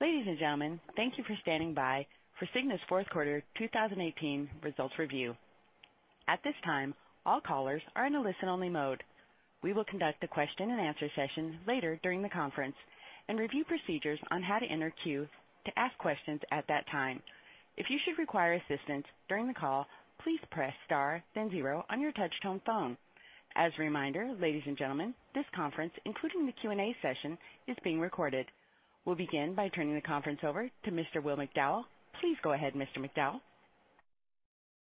Ladies and gentlemen, thank you for standing by for Cigna's fourth quarter 2018 results review. At this time, all callers are in a listen-only mode. We will conduct a question-and-answer session later during the conference and review procedures on how to enter queue to ask questions at that time. If you should require assistance during the call, please press star then zero on your touch-tone phone. As a reminder, ladies and gentlemen, this conference, including the Q&A session, is being recorded. We will begin by turning the conference over to Mr. Will McDowell. Please go ahead, Mr. McDowell.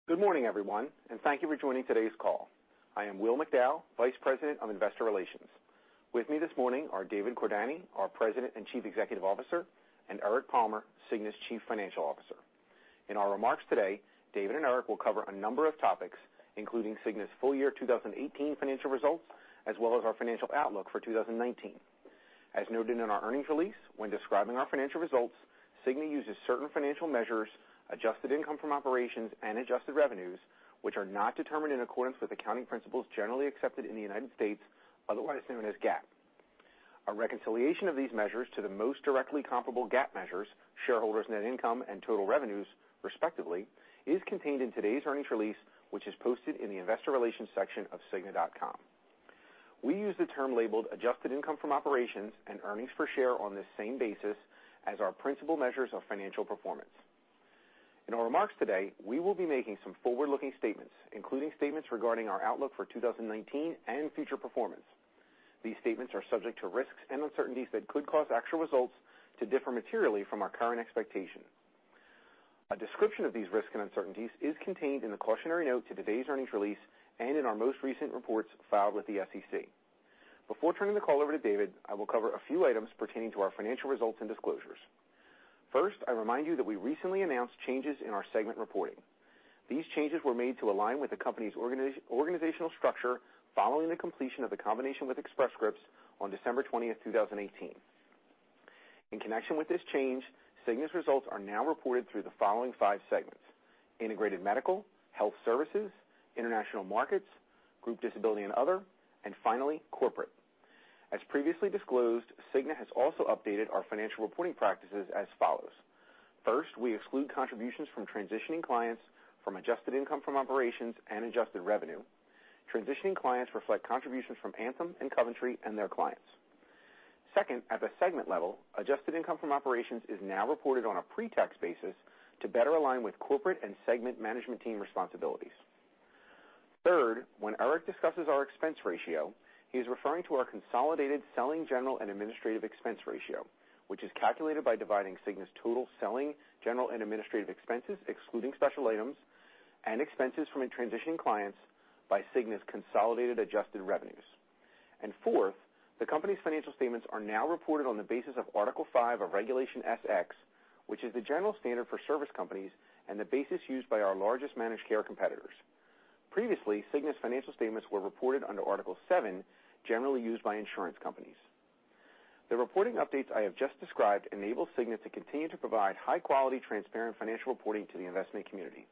Good morning, everyone. Thank you for joining today's call. I am Will McDowell, vice president of investor relations. With me this morning are David Cordani, our president and chief executive officer, and Eric Palmer, Cigna's chief financial officer. In our remarks today, David and Eric will cover a number of topics, including Cigna's full-year 2018 financial results, as well as our financial outlook for 2019. As noted in our earnings release, when describing our financial results, Cigna uses certain financial measures, adjusted income from operations and adjusted revenues, which are not determined in accordance with accounting principles generally accepted in the United States, otherwise known as GAAP. A reconciliation of these measures to the most directly comparable GAAP measures, shareholders' net income and total revenues, respectively, is contained in today's earnings release, which is posted in the investor relations section of cigna.com. We use the term labeled adjusted income from operations and earnings per share on this same basis as our principal measures of financial performance. In our remarks today, we will be making some forward-looking statements, including statements regarding our outlook for 2019 and future performance. These statements are subject to risks and uncertainties that could cause actual results to differ materially from our current expectation. A description of these risks and uncertainties is contained in the cautionary note to today's earnings release and in our most recent reports filed with the SEC. Before turning the call over to David, I will cover a few items pertaining to our financial results and disclosures. First, I remind you that we recently announced changes in our segment reporting. These changes were made to align with the company's organizational structure following the completion of the combination with Express Scripts on December 20, 2018. In connection with this change, Cigna's results are now reported through the following five segments: Integrated Medical, Health Services, International Markets, Group Disability and Other, and finally, Corporate. As previously disclosed, Cigna has also updated our financial reporting practices as follows. First, we exclude contributions from transitioning clients from adjusted income from operations and adjusted revenue. Transitioning clients reflect contributions from Anthem and Coventry and their clients. Second, at the segment level, adjusted income from operations is now reported on a pre-tax basis to better align with corporate and segment management team responsibilities. Third, when Eric discusses our expense ratio, he is referring to our consolidated selling, general and administrative expense ratio, which is calculated by dividing Cigna's total selling, general and administrative expenses, excluding special items and expenses from transitioning clients by Cigna's consolidated adjusted revenues. Fourth, the company's financial statements are now reported on the basis of Article 5 of Regulation S-X, which is the general standard for service companies and the basis used by our largest managed care competitors. Previously, Cigna's financial statements were reported under Article 7, generally used by insurance companies. The reporting updates I have just described enable Cigna to continue to provide high-quality, transparent financial reporting to the investment community.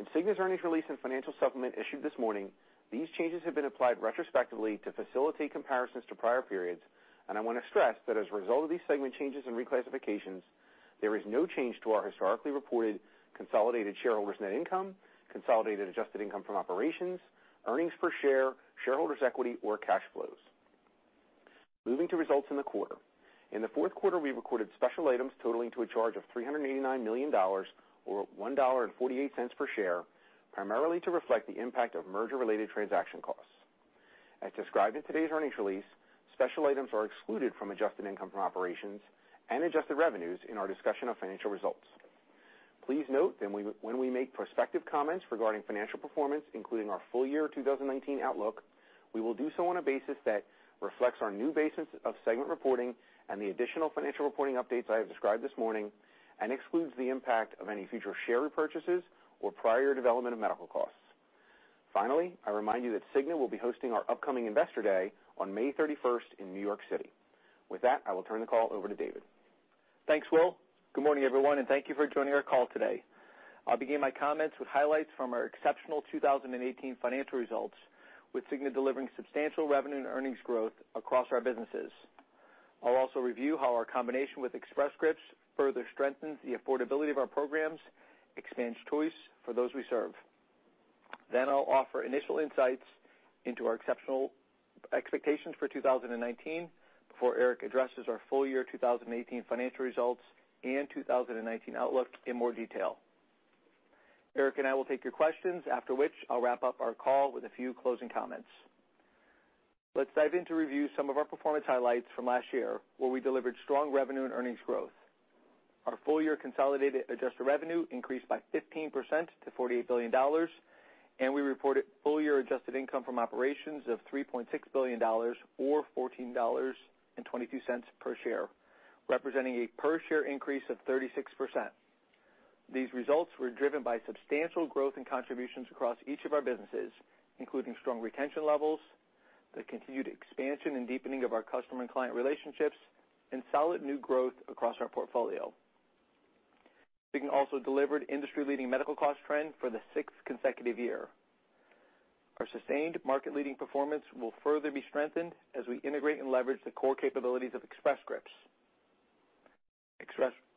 In Cigna's earnings release and financial supplement issued this morning, these changes have been applied retrospectively to facilitate comparisons to prior periods. I want to stress that as a result of these segment changes and reclassifications, there is no change to our historically reported consolidated shareholders' net income, consolidated adjusted income from operations, earnings per share, shareholders' equity or cash flows. Moving to results in the quarter. In the fourth quarter, we recorded special items totaling to a charge of $389 million, or $1.48 per share, primarily to reflect the impact of merger-related transaction costs. As described in today's earnings release, special items are excluded from adjusted income from operations and adjusted revenues in our discussion of financial results. Please note that when we make prospective comments regarding financial performance, including our full-year 2019 outlook, we will do so on a basis that reflects our new basis of segment reporting and the additional financial reporting updates I have described this morning and excludes the impact of any future share repurchases or prior development of medical costs. Finally, I remind you that Cigna will be hosting our upcoming Investor Day on May 31st in New York City. With that, I will turn the call over to David. Thanks, Will. Good morning, everyone, and thank you for joining our call today. I'll begin my comments with highlights from our exceptional 2018 financial results, with Cigna delivering substantial revenue and earnings growth across our businesses. I'll also review how our combination with Express Scripts further strengthens the affordability of our programs, expands choice for those we serve. Then I'll offer initial insights into our exceptional expectations for 2019 before Eric addresses our full-year 2018 financial results and 2019 outlook in more detail. Eric and I will take your questions, after which I'll wrap up our call with a few closing comments. Let's dive in to review some of our performance highlights from last year, where we delivered strong revenue and earnings growth. Our full-year consolidated adjusted revenue increased by 15% to $48 billion, and we reported full-year adjusted income from operations of $3.6 billion or $14.22 per share, representing a per-share increase of 36%. These results were driven by substantial growth and contributions across each of our businesses, including strong retention levels, the continued expansion and deepening of our customer and client relationships, and solid new growth across our portfolio. Cigna also delivered industry-leading medical cost trend for the sixth consecutive year. Our sustained market-leading performance will further be strengthened as we integrate and leverage the core capabilities of Express Scripts.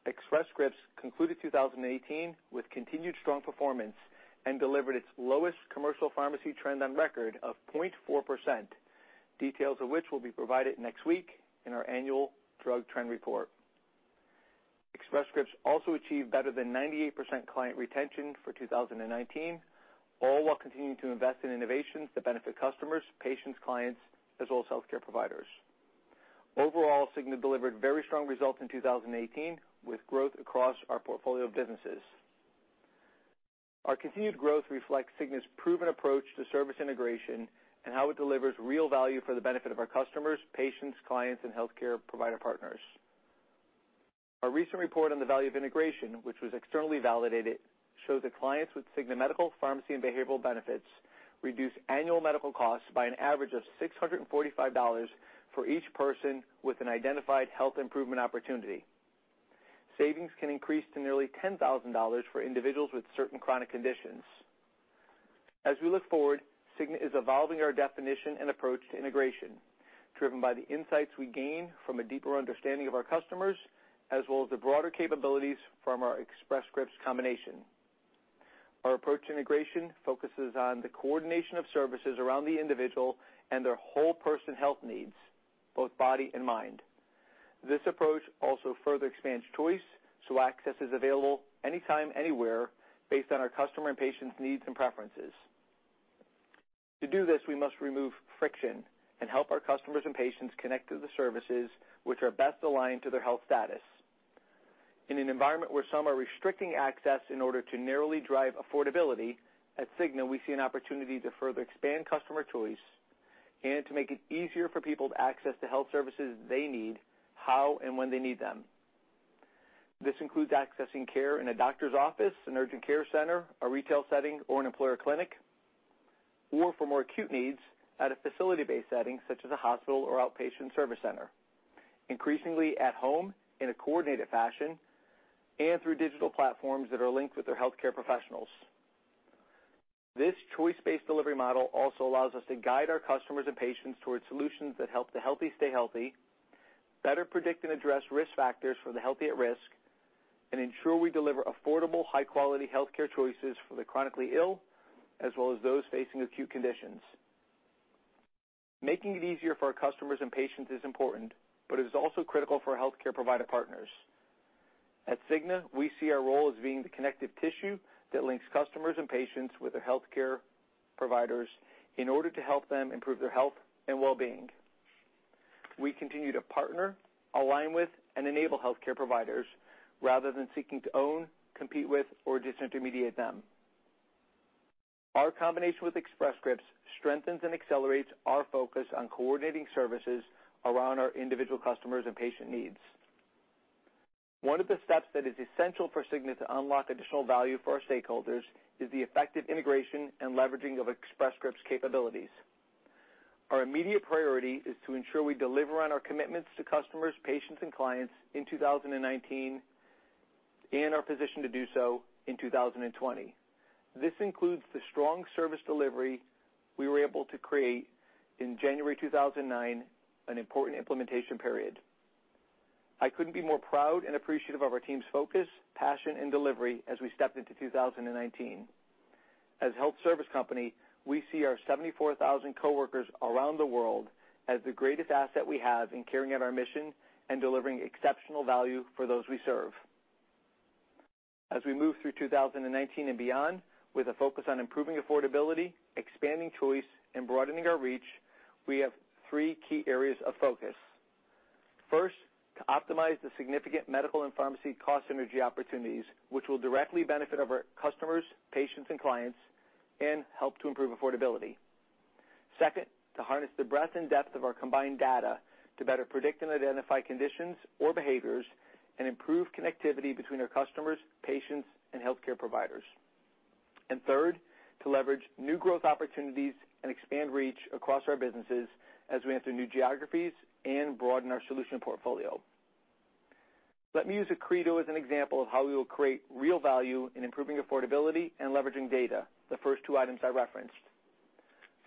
Express Scripts concluded 2018 with continued strong performance and delivered its lowest commercial pharmacy trend on record of 0.4%, details of which will be provided next week in our annual drug trend report. Express Scripts also achieved better than 98% client retention for 2019, all while continuing to invest in innovations that benefit customers, patients, clients, as well as healthcare providers. Overall, Cigna delivered very strong results in 2018, with growth across our portfolio of businesses. Our continued growth reflects Cigna's proven approach to service integration and how it delivers real value for the benefit of our customers, patients, clients, and healthcare provider partners. Our recent report on the value of integration, which was externally validated, shows that clients with Cigna medical, pharmacy, and behavioral benefits reduce annual medical costs by an average of $645 for each person with an identified health improvement opportunity. Savings can increase to nearly $10,000 for individuals with certain chronic conditions. As we look forward, Cigna is evolving our definition and approach to integration, driven by the insights we gain from a deeper understanding of our customers, as well as the broader capabilities from our Express Scripts combination. Our approach to integration focuses on the coordination of services around the individual and their whole-person health needs, both body and mind. This approach also further expands choice, so access is available anytime, anywhere, based on our customer and patients' needs and preferences. To do this, we must remove friction and help our customers and patients connect to the services which are best aligned to their health status. In an environment where some are restricting access in order to narrowly drive affordability, at Cigna, we see an opportunity to further expand customer choice and to make it easier for people to access the health services they need, how and when they need them. This includes accessing care in a doctor's office, an urgent care center, a retail setting, or an employer clinic. For more acute needs, at a facility-based setting such as a hospital or outpatient service center. Increasingly at home in a coordinated fashion, and through digital platforms that are linked with their healthcare professionals. This choice-based delivery model also allows us to guide our customers and patients towards solutions that help the healthy stay healthy, better predict and address risk factors for the healthy at risk, and ensure we deliver affordable, high-quality healthcare choices for the chronically ill, as well as those facing acute conditions. Making it easier for our customers and patients is important, but is also critical for our healthcare provider partners. At Cigna, we see our role as being the connective tissue that links customers and patients with their healthcare providers in order to help them improve their health and wellbeing. We continue to partner, align with, and enable healthcare providers rather than seeking to own, compete with, or disintermediate them. Our combination with Express Scripts strengthens and accelerates our focus on coordinating services around our individual customers' and patient needs. One of the steps that is essential for Cigna to unlock additional value for our stakeholders is the effective integration and leveraging of Express Scripts' capabilities. Our immediate priority is to ensure we deliver on our commitments to customers, patients, and clients in 2019 and are positioned to do so in 2020. This includes the strong service delivery we were able to create in January 2019, an important implementation period. I couldn't be more proud and appreciative of our team's focus, passion, and delivery as we stepped into 2019. As a health service company, we see our 74,000 coworkers around the world as the greatest asset we have in carrying out our mission and delivering exceptional value for those we serve. As we move through 2019 and beyond with a focus on improving affordability, expanding choice, and broadening our reach, we have three key areas of focus. First, to optimize the significant medical and pharmacy cost synergy opportunities, which will directly benefit our customers, patients, and clients, and help to improve affordability. Second, to harness the breadth and depth of our combined data to better predict and identify conditions or behaviors and improve connectivity between our customers, patients, and healthcare providers. Third, to leverage new growth opportunities and expand reach across our businesses as we enter new geographies and broaden our solution portfolio. Let me use Accredo as an example of how we will create real value in improving affordability and leveraging data, the first two items I referenced.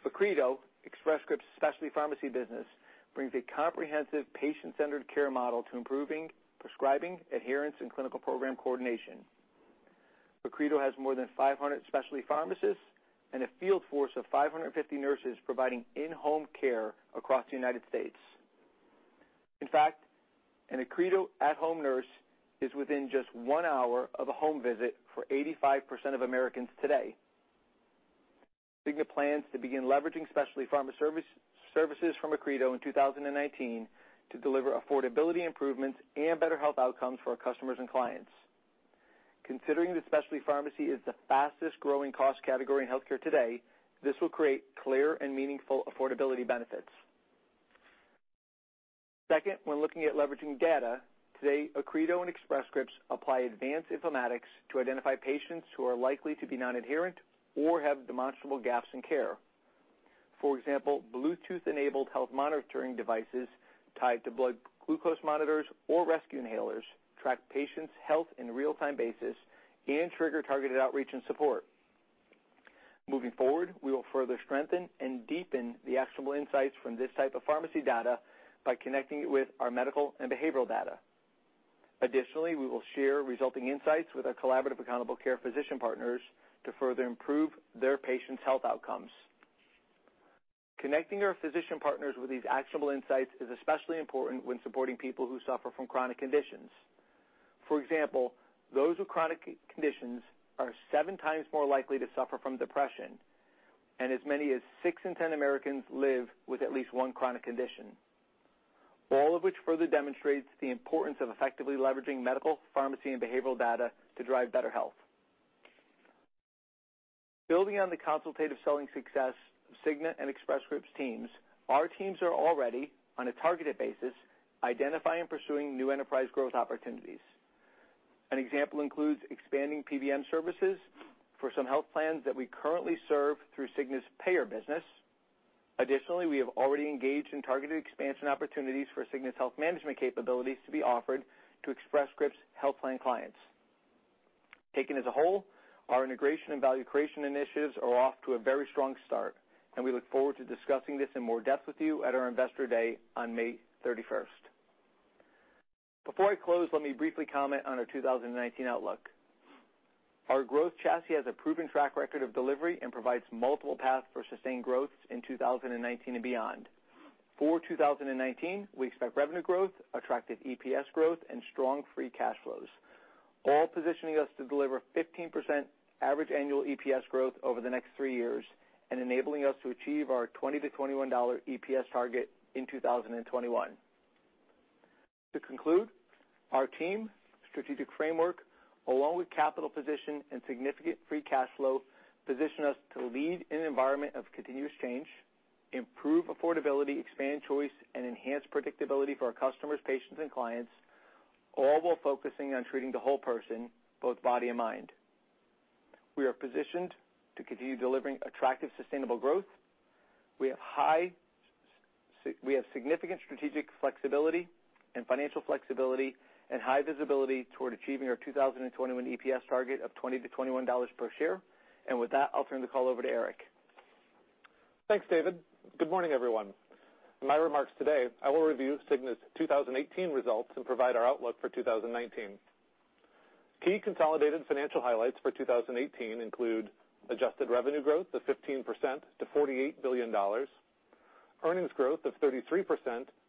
Accredo, Express Scripts specialty pharmacy business, brings a comprehensive patient-centered care model to improving prescribing, adherence, and clinical program coordination. Accredo has more than 500 specialty pharmacists and a field force of 550 nurses providing in-home care across the United States. In fact, an Accredo at-home nurse is within just one hour of a home visit for 85% of Americans today. Cigna plans to begin leveraging specialty pharma services from Accredo in 2019 to deliver affordability improvements and better health outcomes for our customers and clients. Considering that specialty pharmacy is the fastest-growing cost category in healthcare today, this will create clear and meaningful affordability benefits. Second, when looking at leveraging data, today, Accredo and Express Scripts apply advanced informatics to identify patients who are likely to be non-adherent or have demonstrable gaps in care. For example, Bluetooth-enabled health monitoring devices tied to blood glucose monitors or rescue inhalers track patients' health in real-time basis and trigger targeted outreach and support. Moving forward, we will further strengthen and deepen the actionable insights from this type of pharmacy data by connecting it with our medical and behavioral data. Additionally, we will share resulting insights with our collaborative accountable care physician partners to further improve their patients' health outcomes. Connecting our physician partners with these actionable insights is especially important when supporting people who suffer from chronic conditions. For example, those with chronic conditions are seven times more likely to suffer from depression, and as many as six in 10 Americans live with at least one chronic condition. All of which further demonstrates the importance of effectively leveraging medical, pharmacy, and behavioral data to drive better health. Building on the consultative selling success of Cigna and Express Scripts teams, our teams are already, on a targeted basis, identifying and pursuing new enterprise growth opportunities. An example includes expanding PBM services for some health plans that we currently serve through Cigna's payer business. Additionally, we have already engaged in targeted expansion opportunities for Cigna's health management capabilities to be offered to Express Scripts' health plan clients. Taken as a whole, our integration and value creation initiatives are off to a very strong start. We look forward to discussing this in more depth with you at our investor day on May 31st. Before I close, let me briefly comment on our 2019 outlook. Our growth chassis has a proven track record of delivery and provides multiple paths for sustained growth in 2019 and beyond. For 2019, we expect revenue growth, attractive EPS growth, and strong free cash flows, all positioning us to deliver 15% average annual EPS growth over the next three years and enabling us to achieve our $20-$21 EPS target in 2021. To conclude, our team strategic framework, along with capital position and significant free cash flow, position us to lead in an environment of continuous change, improve affordability, expand choice, and enhance predictability for our customers, patients, and clients, all while focusing on treating the whole person, both body and mind. We are positioned to continue delivering attractive, sustainable growth. We have significant strategic flexibility and financial flexibility and high visibility toward achieving our 2021 EPS target of $20-$21 per share. With that, I'll turn the call over to Eric. Thanks, David. Good morning, everyone. In my remarks today, I will review Cigna's 2018 results and provide our outlook for 2019. Key consolidated financial highlights for 2018 include adjusted revenue growth of 15% to $48 billion, earnings growth of 33%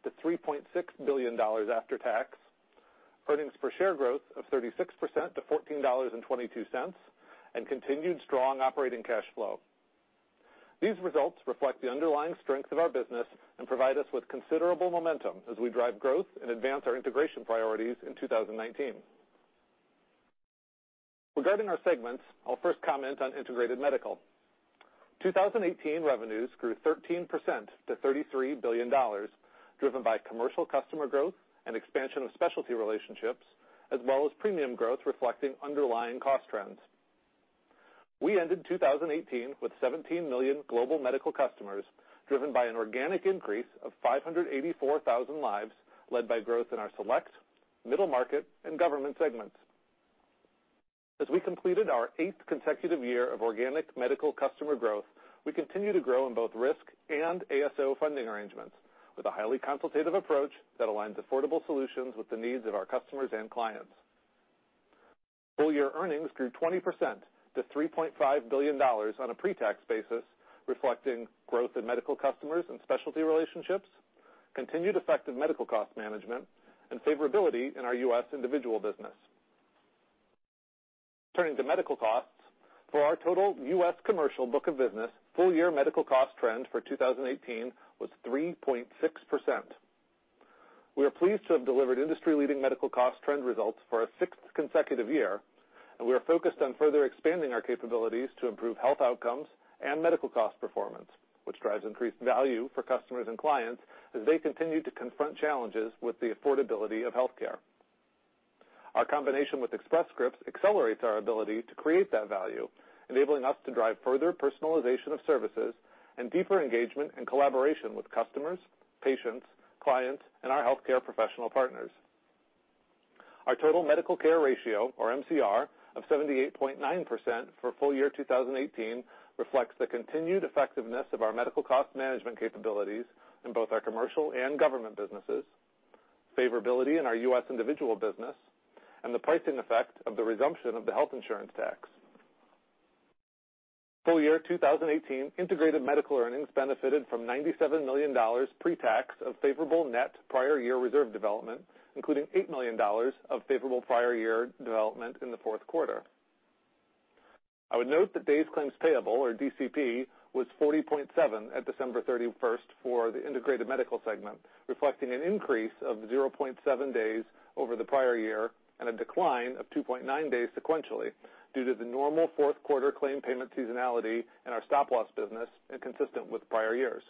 to $3.6 billion after tax, earnings per share growth of 36% to $14.22, and continued strong operating cash flow. These results reflect the underlying strength of our business and provide us with considerable momentum as we drive growth and advance our integration priorities in 2019. Regarding our segments, I'll first comment on integrated medical. 2018 revenues grew 13% to $33 billion, driven by commercial customer growth and expansion of specialty relationships, as well as premium growth reflecting underlying cost trends. We ended 2018 with 17 million global medical customers, driven by an organic increase of 584,000 lives, led by growth in our select, middle market, and government segments. As we completed our eighth consecutive year of organic medical customer growth, we continue to grow in both risk and ASO funding arrangements with a highly consultative approach that aligns affordable solutions with the needs of our customers and clients. Full-year earnings grew 20% to $3.5 billion on a pre-tax basis, reflecting growth in medical customers and specialty relationships, continued effective medical cost management, and favorability in our U.S. individual business. Turning to medical costs, for our total U.S. commercial book of business, full-year medical cost trend for 2018 was 3.6%. We are pleased to have delivered industry-leading medical cost trend results for our sixth consecutive year. We are focused on further expanding our capabilities to improve health outcomes and medical cost performance, which drives increased value for customers and clients as they continue to confront challenges with the affordability of healthcare. Our combination with Express Scripts accelerates our ability to create that value, enabling us to drive further personalization of services and deeper engagement and collaboration with customers, patients, clients, and our healthcare professional partners. Our total medical care ratio, or MCR, of 78.9% for full-year 2018 reflects the continued effectiveness of our medical cost management capabilities in both our commercial and government businesses, favorability in our U.S. individual business, and the pricing effect of the resumption of the health insurance tax. Full-year 2018 integrated medical earnings benefited from $97 million pre-tax of favorable net prior year reserve development, including $8 million of favorable prior year development in the fourth quarter. I would note that days claims payable, or DCP, was 40.7 at December 31st for the Integrated Medical segment, reflecting an increase of 0.7 days over the prior year and a decline of 2.9 days sequentially due to the normal fourth quarter claim payment seasonality in our stop-loss business and consistent with prior years.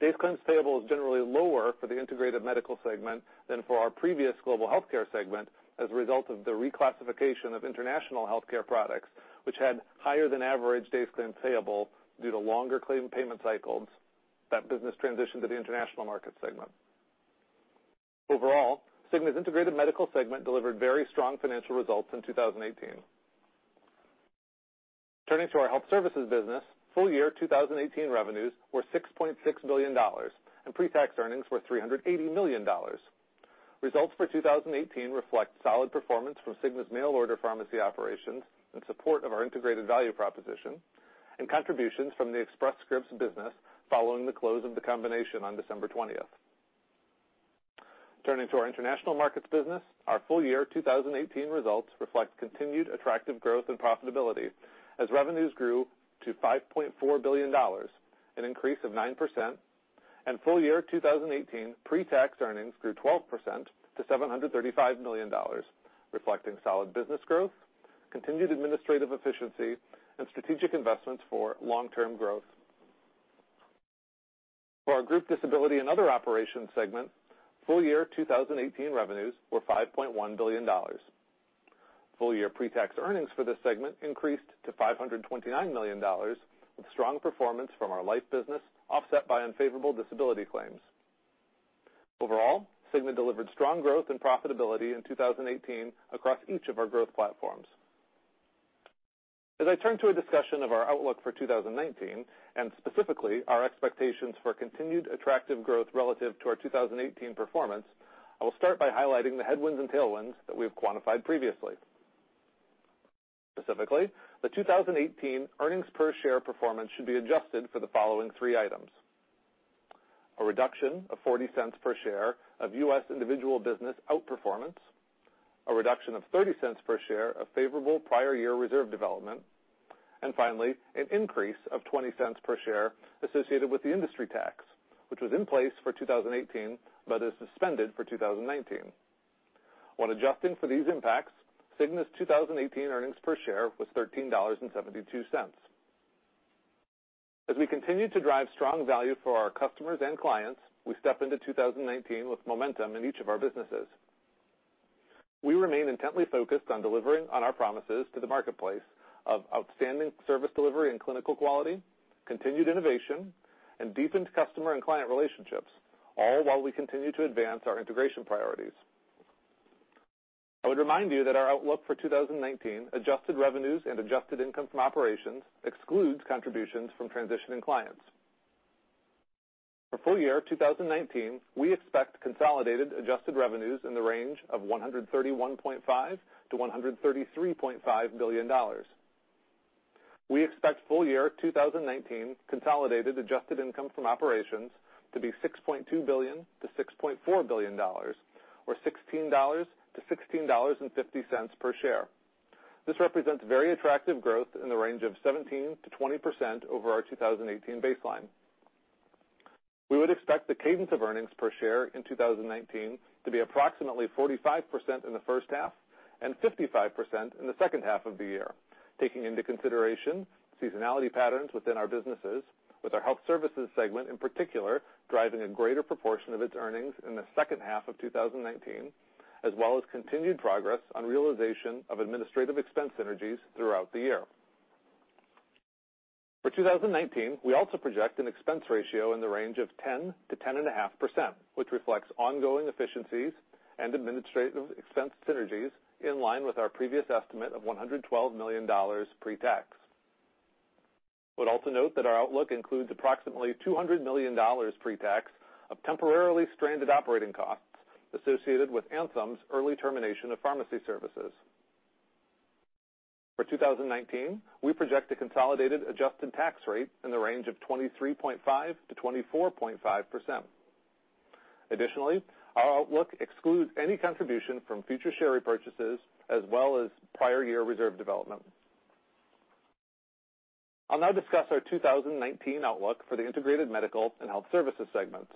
Days claims payable is generally lower for the Integrated Medical segment than for our previous Global Healthcare segment as a result of the reclassification of international healthcare products, which had higher than average days claims payable due to longer claim payment cycles. That business transitioned to the International Markets segment. Overall, Cigna's Integrated Medical segment delivered very strong financial results in 2018. Turning to our Health Services business, full-year 2018 revenues were $6.6 billion and pre-tax earnings were $380 million. Results for 2018 reflect solid performance from Cigna's mail order pharmacy operations in support of our integrated value proposition and contributions from the Express Scripts business following the close of the combination on December 20th. Turning to our International Markets business, our full-year 2018 results reflect continued attractive growth and profitability as revenues grew to $5.4 billion, an increase of 9%, and full-year 2018 pre-tax earnings grew 12% to $735 million, reflecting solid business growth, continued administrative efficiency, and strategic investments for long-term growth. For our Group Disability and Other Operations segment, full-year 2018 revenues were $5.1 billion. Full-year pre-tax earnings for this segment increased to $529 million, with strong performance from our life business offset by unfavorable disability claims. Overall, Cigna delivered strong growth and profitability in 2018 across each of our growth platforms. As I turn to a discussion of our outlook for 2019, and specifically our expectations for continued attractive growth relative to our 2018 performance, I will start by highlighting the headwinds and tailwinds that we have quantified previously. Specifically, the 2018 earnings per share performance should be adjusted for the following three items. A reduction of $0.40 per share of U.S. individual business outperformance, a reduction of $0.30 per share of favorable prior year reserve development, and finally, an increase of $0.20 per share associated with the industry tax, which was in place for 2018, but is suspended for 2019. When adjusting for these impacts, Cigna's 2018 earnings per share was $13.72. As we continue to drive strong value for our customers and clients, we step into 2019 with momentum in each of our businesses. We remain intently focused on delivering on our promises to the marketplace of outstanding service delivery and clinical quality, continued innovation, and deepened customer and client relationships, all while we continue to advance our integration priorities. I would remind you that our outlook for 2019 adjusted revenues and adjusted income from operations excludes contributions from transitioning clients. For full-year 2019, we expect consolidated adjusted revenues in the range of $131.5 billion-$133.5 billion. We expect full-year 2019 consolidated adjusted income from operations to be $6.2 billion-$6.4 billion, or $16-$16.50 per share. This represents very attractive growth in the range of 17%-20% over our 2018 baseline. We would expect the cadence of earnings per share in 2019 to be approximately 45% in the first half and 55% in the second half of the year, taking into consideration seasonality patterns within our businesses with our Health Services segment in particular, driving a greater proportion of its earnings in the second half of 2019, as well as continued progress on realization of administrative expense synergies throughout the year. For 2019, we also project an expense ratio in the range of 10%-10.5%, which reflects ongoing efficiencies and administrative expense synergies in line with our previous estimate of $112 million pre-tax. We would also note that our outlook includes approximately $200 million pre-tax of temporarily stranded operating costs associated with Anthem's early termination of pharmacy services. For 2019, we project a consolidated adjusted tax rate in the range of 23.5%-24.5%. Additionally, our outlook excludes any contribution from future share repurchases as well as prior year reserve development. I will now discuss our 2019 outlook for the Integrated Medical and Health Services segments.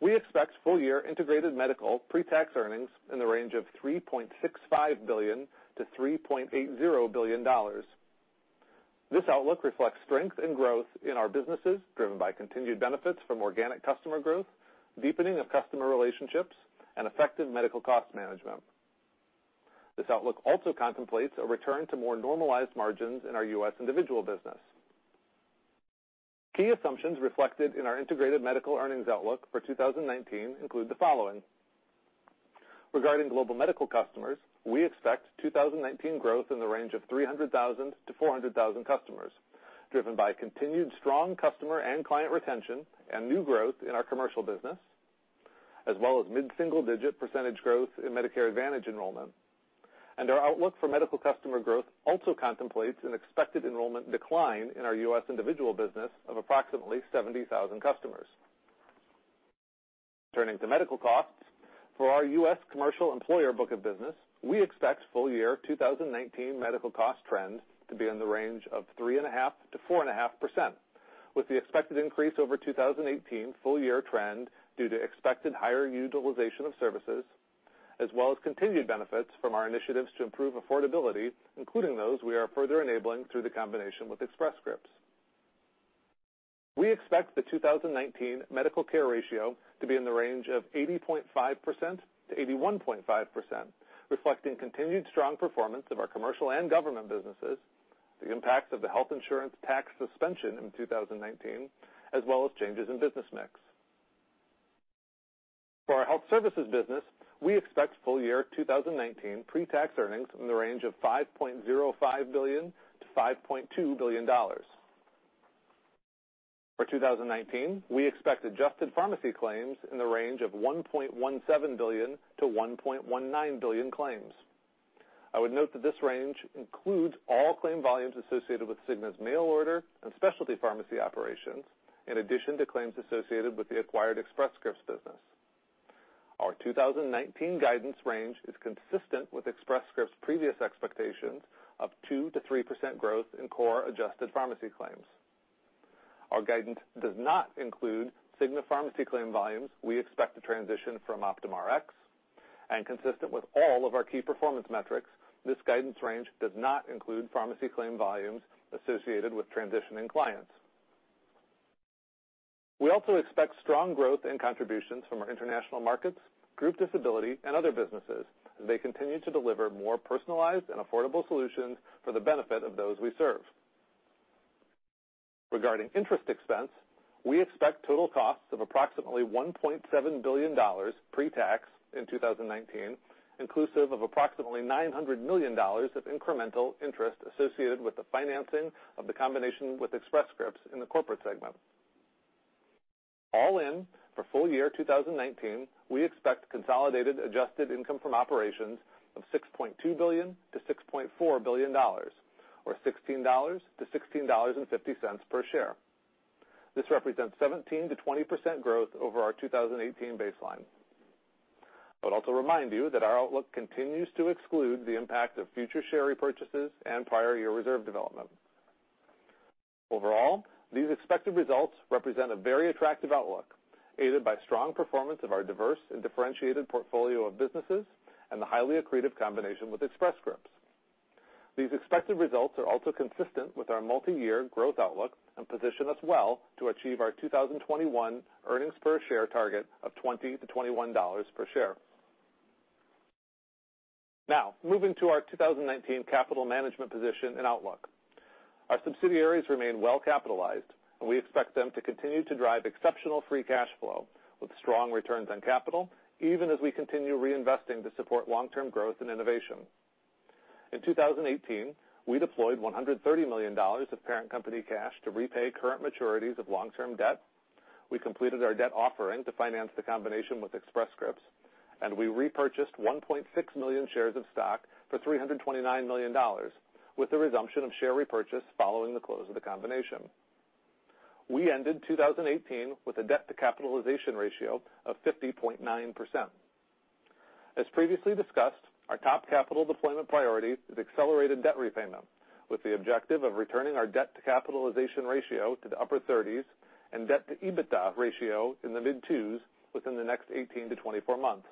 We expect full-year Integrated Medical pre-tax earnings in the range of $3.65 billion-$3.80 billion. This outlook reflects strength and growth in our businesses, driven by continued benefits from organic customer growth, deepening of customer relationships and effective medical cost management. This outlook also contemplates a return to more normalized margins in our U.S. individual business. Key assumptions reflected in our Integrated Medical earnings outlook for 2019 include the following. Regarding global medical customers, we expect 2019 growth in the range of 300,000-400,000 customers, driven by continued strong customer and client retention and new growth in our commercial business, as well as mid-single-digit percentage growth in Medicare Advantage enrollment. Our outlook for medical customer growth also contemplates an expected enrollment decline in our U.S. individual business of approximately 70,000 customers. Turning to medical costs. For our U.S. commercial employer book of business, we expect full-year 2019 medical cost trend to be in the range of 3.5%-4.5%, with the expected increase over 2018 full-year trend due to expected higher utilization of services, as well as continued benefits from our initiatives to improve affordability, including those we are further enabling through the combination with Express Scripts. We expect the 2019 medical care ratio to be in the range of 80.5%-81.5%, reflecting continued strong performance of our commercial and government businesses, the impact of the health insurance tax suspension in 2019, as well as changes in business mix. For our health services business, we expect full-year 2019 pre-tax earnings in the range of $5.05 billion to $5.2 billion. For 2019, we expect adjusted pharmacy claims in the range of 1.17 billion - 1.19 billion claims. I would note that this range includes all claim volumes associated with Cigna's mail order and specialty pharmacy operations, in addition to claims associated with the acquired Express Scripts business. Our 2019 guidance range is consistent with Express Scripts' previous expectations of 2%-3% growth in core adjusted pharmacy claims. Our guidance does not include Cigna pharmacy claim volumes we expect to transition from Optum Rx. Consistent with all of our key performance metrics, this guidance range does not include pharmacy claim volumes associated with transitioning clients. We also expect strong growth in contributions from our international markets, group disability, and other businesses as they continue to deliver more personalized and affordable solutions for the benefit of those we serve. Regarding interest expense, we expect total costs of approximately $1.7 billion pre-tax in 2019, inclusive of approximately $900 million of incremental interest associated with the financing of the combination with Express Scripts in the corporate segment. All in, for full-year 2019, we expect consolidated adjusted income from operations of $6.2 billion - $6.4 billion, or $16 - $16.50 per share. This represents 17%-20% growth over our 2018 baseline. I would also remind you that our outlook continues to exclude the impact of future share repurchases and prior year reserve development. Overall, these expected results represent a very attractive outlook, aided by strong performance of our diverse and differentiated portfolio of businesses and the highly accretive combination with Express Scripts. These expected results are also consistent with our multi-year growth outlook and position us well to achieve our 2021 earnings per share target of $20 - $21 per share. Moving to our 2019 capital management position and outlook. Our subsidiaries remain well capitalized, and we expect them to continue to drive exceptional free cash flow with strong returns on capital, even as we continue reinvesting to support long-term growth and innovation. In 2018, we deployed $130 million of parent company cash to repay current maturities of long-term debt. We completed our debt offering to finance the combination with Express Scripts, we repurchased 1.6 million shares of stock for $329 million with the resumption of share repurchase following the close of the combination. We ended 2018 with a debt to capitalization ratio of 50.9%. As previously discussed, our top capital deployment priority is accelerated debt repayment, with the objective of returning our debt to capitalization ratio to the upper 30s and debt to EBITDA ratio in the mid 2s within the next 18-24 months.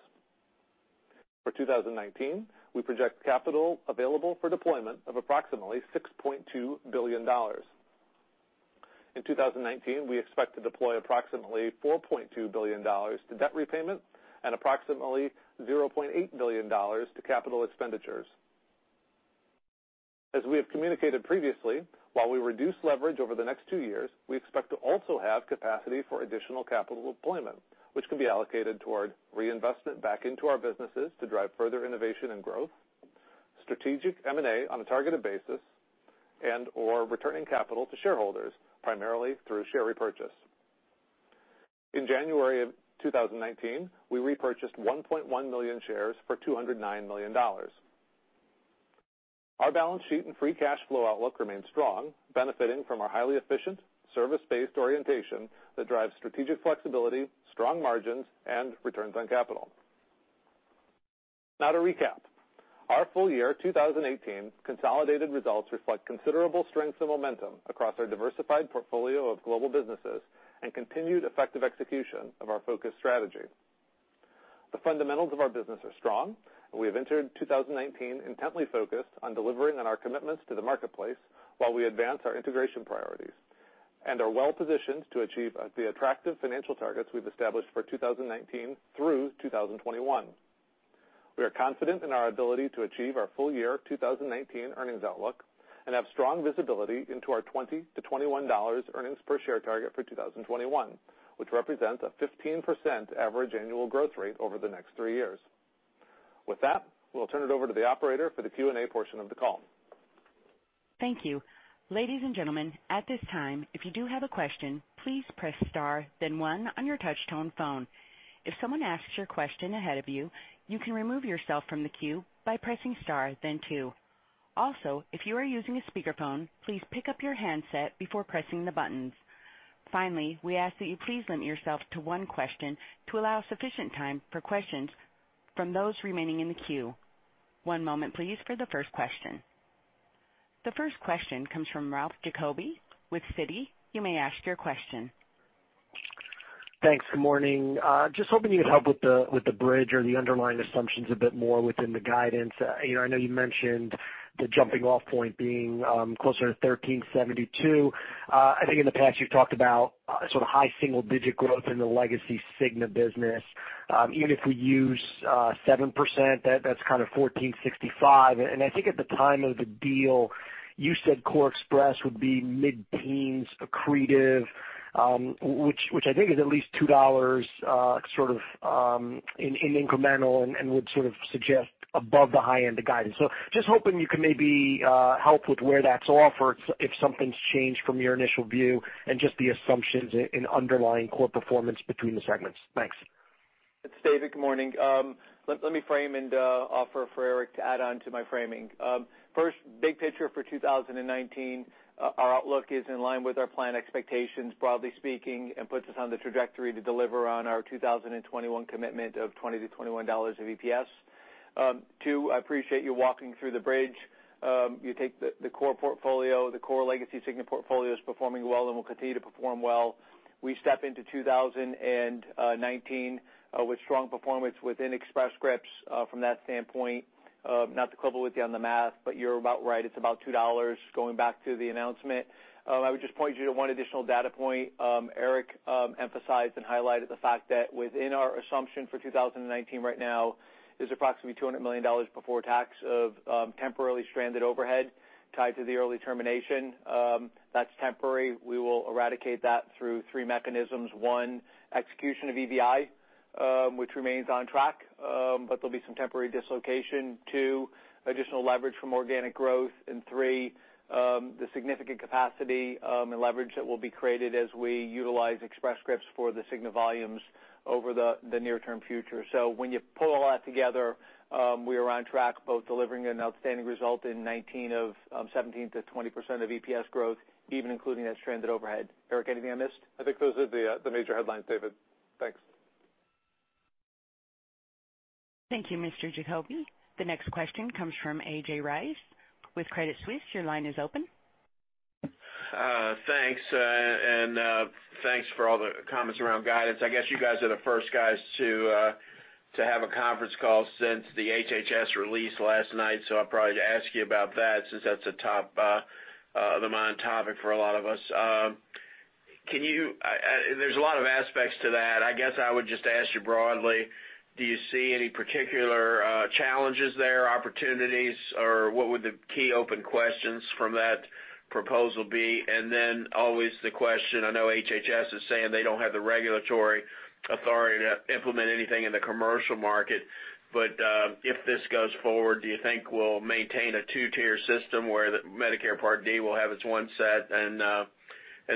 For 2019, we project capital available for deployment of approximately $6.2 billion. In 2019, we expect to deploy approximately $4.2 billion to debt repayment and approximately $0.8 billion to capital expenditures. As we have communicated previously, while we reduce leverage over the next two years, we expect to also have capacity for additional capital deployment, which can be allocated toward reinvestment back into our businesses to drive further innovation and growth, strategic M&A on a targeted basis, and/or returning capital to shareholders, primarily through share repurchase. In January 2019, we repurchased 1.1 million shares for $209 million. Our balance sheet and free cash flow outlook remain strong, benefiting from our highly efficient service-based orientation that drives strategic flexibility, strong margins, and returns on capital. To recap, our full-year 2018 consolidated results reflect considerable strength and momentum across our diversified portfolio of global businesses and continued effective execution of our focused strategy. The fundamentals of our business are strong, and we have entered 2019 intently focused on delivering on our commitments to the marketplace while we advance our integration priorities and are well positioned to achieve the attractive financial targets we've established for 2019 through 2021. We are confident in our ability to achieve our full-year 2019 earnings outlook and have strong visibility into our $20 -$21 earnings per share target for 2021, which represents a 15% average annual growth rate over the next three years. With that, we'll turn it over to the operator for the Q&A portion of the call. Thank you. Ladies and gentlemen, at this time, if you do have a question, please press star then one on your touch-tone phone. If someone asks your question ahead of you can remove yourself from the queue by pressing star then two. Also, if you are using a speakerphone, please pick up your handset before pressing the buttons. Finally, we ask that you please limit yourself to one question to allow sufficient time for questions from those remaining in the queue. One moment please for the first question. The first question comes from Ralph Giacobbe with Citi. You may ask your question. Thanks. Good morning. Just hoping you'd help with the bridge or the underlying assumptions a bit more within the guidance. I know you mentioned the jumping off point being closer to $1,372. I think in the past, you've talked about sort of high single-digit growth in the legacy Cigna business. Even if we use 7%, that's kind of $1,465. I think at the time of the deal, you said Core Express would be mid-teens accretive, which I think is at least $2 in incremental and would sort of suggest above the high end of guidance. Just hoping you can maybe help with where that's off or if something's changed from your initial view and just the assumptions in underlying core performance between the segments. Thanks. It's David. Good morning. Let me frame and offer for Eric to add on to my framing. First, big picture for 2019, our outlook is in line with our plan expectations, broadly speaking, and puts us on the trajectory to deliver on our 2021 commitment of $20-$21 of EPS. Two, I appreciate you walking through the bridge. You take the core portfolio, the core legacy Cigna portfolio is performing well and will continue to perform well. We step into 2019 with strong performance within Express Scripts from that standpoint. Not to quibble with you on the math, but you're about right. It's about $2, going back to the announcement. I would just point you to one additional data point. Eric emphasized and highlighted the fact that within our assumption for 2019 right now is approximately $200 million before tax of temporarily stranded overhead tied to the early termination. That's temporary. We will eradicate that through three mechanisms. One, execution of EVI, which remains on track, but there'll be some temporary dislocation. Two, additional leverage from organic growth. Three, the significant capacity and leverage that will be created as we utilize Express Scripts for the Cigna volumes over the near-term future. When you pull all that together, we are on track both delivering an outstanding result in 2019 of 17%-20% of EPS growth, even including that stranded overhead. Eric, anything I missed? I think those are the major headlines, David. Thanks. Thank you, Mr. Giacobbe. The next question comes from A.J. Rice with Credit Suisse. Your line is open. Thanks, thanks for all the comments around guidance. I guess you guys are the first guys to have a conference call since the HHS release last night. I'll probably ask you about that since that's a top-of-the-mind topic for a lot of us. There's a lot of aspects to that. I guess I would just ask you broadly, do you see any particular challenges there, opportunities, or what would the key open questions from that proposal be? Always the question, I know HHS is saying they don't have the regulatory authority to implement anything in the commercial market. If this goes forward, do you think we'll maintain a two-tier system where the Medicare Part D will have its one set and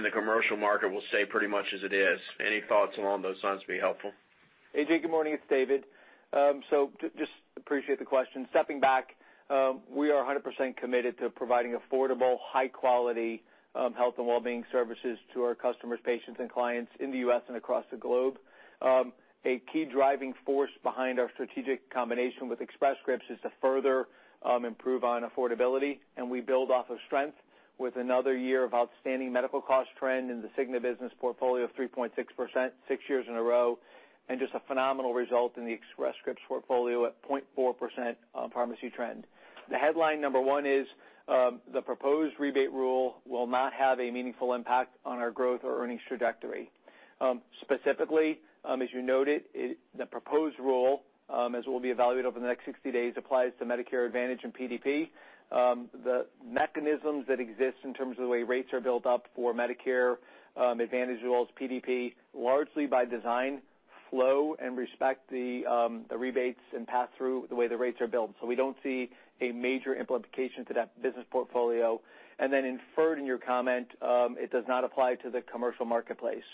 the commercial market will stay pretty much as it is? Any thoughts along those lines would be helpful. A.J., good morning. It's David. Just appreciate the question. Stepping back, we are 100% committed to providing affordable, high-quality health and wellbeing services to our customers, patients, and clients in the U.S. and across the globe. A key driving force behind our strategic combination with Express Scripts is to further improve on affordability. We build off of strength with another year of outstanding medical cost trend in the Cigna business portfolio of 3.6%, six years in a row, and just a phenomenal result in the Express Scripts portfolio at 0.4% pharmacy trend. The headline number one is, the proposed rebate rule will not have a meaningful impact on our growth or earnings trajectory. Specifically, as you noted, the proposed rule, as will be evaluated over the next 60 days, applies to Medicare Advantage and PDP. The mechanisms that exist in terms of the way rates are built up for Medicare Advantage rules, PDP, largely by design, flow and respect the rebates and pass through the way the rates are built. We don't see a major implication to that business portfolio. Inferred in your comment, it does not apply to the commercial marketplace.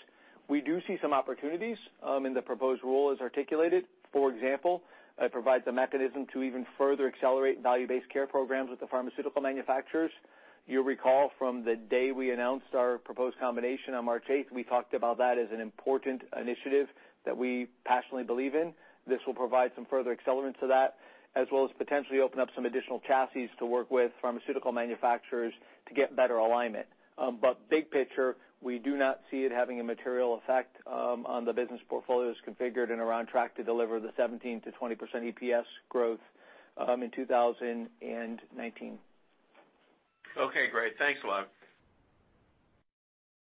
We do see some opportunities in the proposed rule as articulated. For example, it provides a mechanism to even further accelerate value-based care programs with the pharmaceutical manufacturers. You'll recall from the day we announced our proposed combination on March 8th, we talked about that as an important initiative that we passionately believe in. This will provide some further accelerant to that, as well as potentially open up some additional chassis to work with pharmaceutical manufacturers to get better alignment. Big picture, we do not see it having a material effect on the business portfolios configured and are on track to deliver the 17%-20% EPS growth in 2019. Okay, great. Thanks a lot.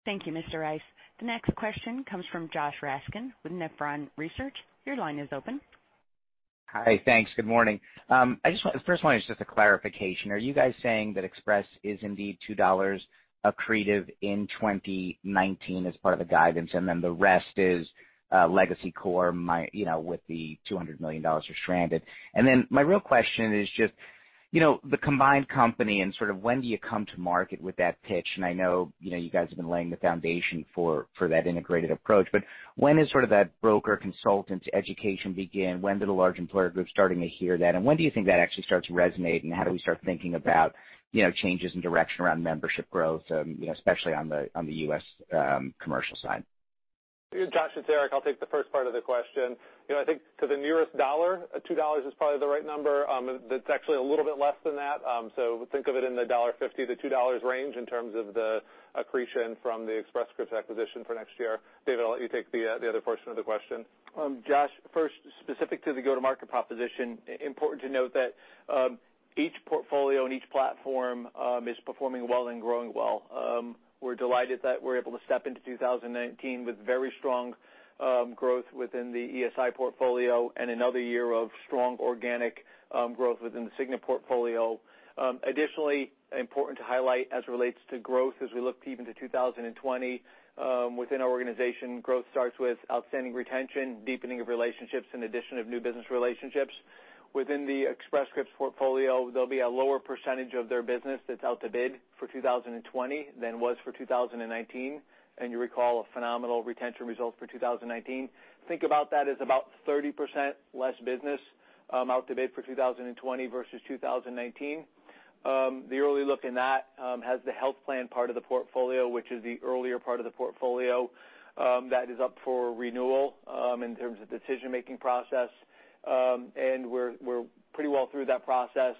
Thank you, Mr. Rice. The next question comes from Josh Raskin with Nephron Research. Your line is open. Hi. Thanks. Good morning. First one is just a clarification. Are you guys saying that Express is indeed $2 accretive in 2019 as part of the guidance, then the rest is legacy core with the $200 million for stranded? My real question is just, the combined company and sort of when do you come to market with that pitch? I know you guys have been laying the foundation for that integrated approach. When does sort of that broker consultant education begin? When do the large employer groups starting to hear that? And when do you think that actually starts resonating? How do we start thinking about changes in direction around membership growth, especially on the U.S. commercial side? Josh, it's Eric. I'll take the first part of the question. I think to the nearest dollar, $2 is probably the right number. It's actually a little bit less than that. Think of it in the $1.50 - $2 range in terms of the accretion from the Express Scripts acquisition for next year. David, I'll let you take the other portion of the question. Josh, first, specific to the go-to-market proposition, important to note that each portfolio and each platform is performing well and growing well. We're delighted that we're able to step into 2019 with very strong growth within the ESI portfolio and another year of strong organic growth within the Cigna portfolio. Additionally, important to highlight as it relates to growth as we look even to 2020 within our organization, growth starts with outstanding retention, deepening of relationships, and addition of new business relationships. Within the Express Scripts portfolio, there'll be a lower percentage of their business that's out to bid for 2020 than was for 2019, and you recall a phenomenal retention result for 2019. Think about that as about 30% less business out to bid for 2020 versus 2019. The early look in that has the health plan part of the portfolio, which is the earlier part of the portfolio that is up for renewal in terms of decision-making process. We're pretty well through that process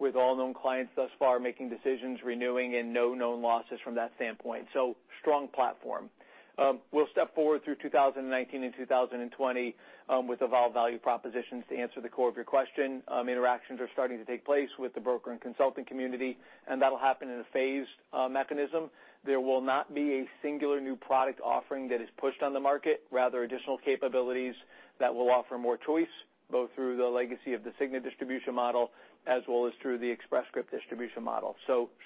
with all known clients thus far making decisions, renewing, and no known losses from that standpoint. Strong platform. We'll step forward through 2019 and 2020 with evolved value propositions to answer the core of your question. Interactions are starting to take place with the broker and consulting community, and that'll happen in a phased mechanism. There will not be a singular new product offering that is pushed on the market, rather additional capabilities that will offer more choice, both through the legacy of the Cigna distribution model, as well as through the Express Script distribution model.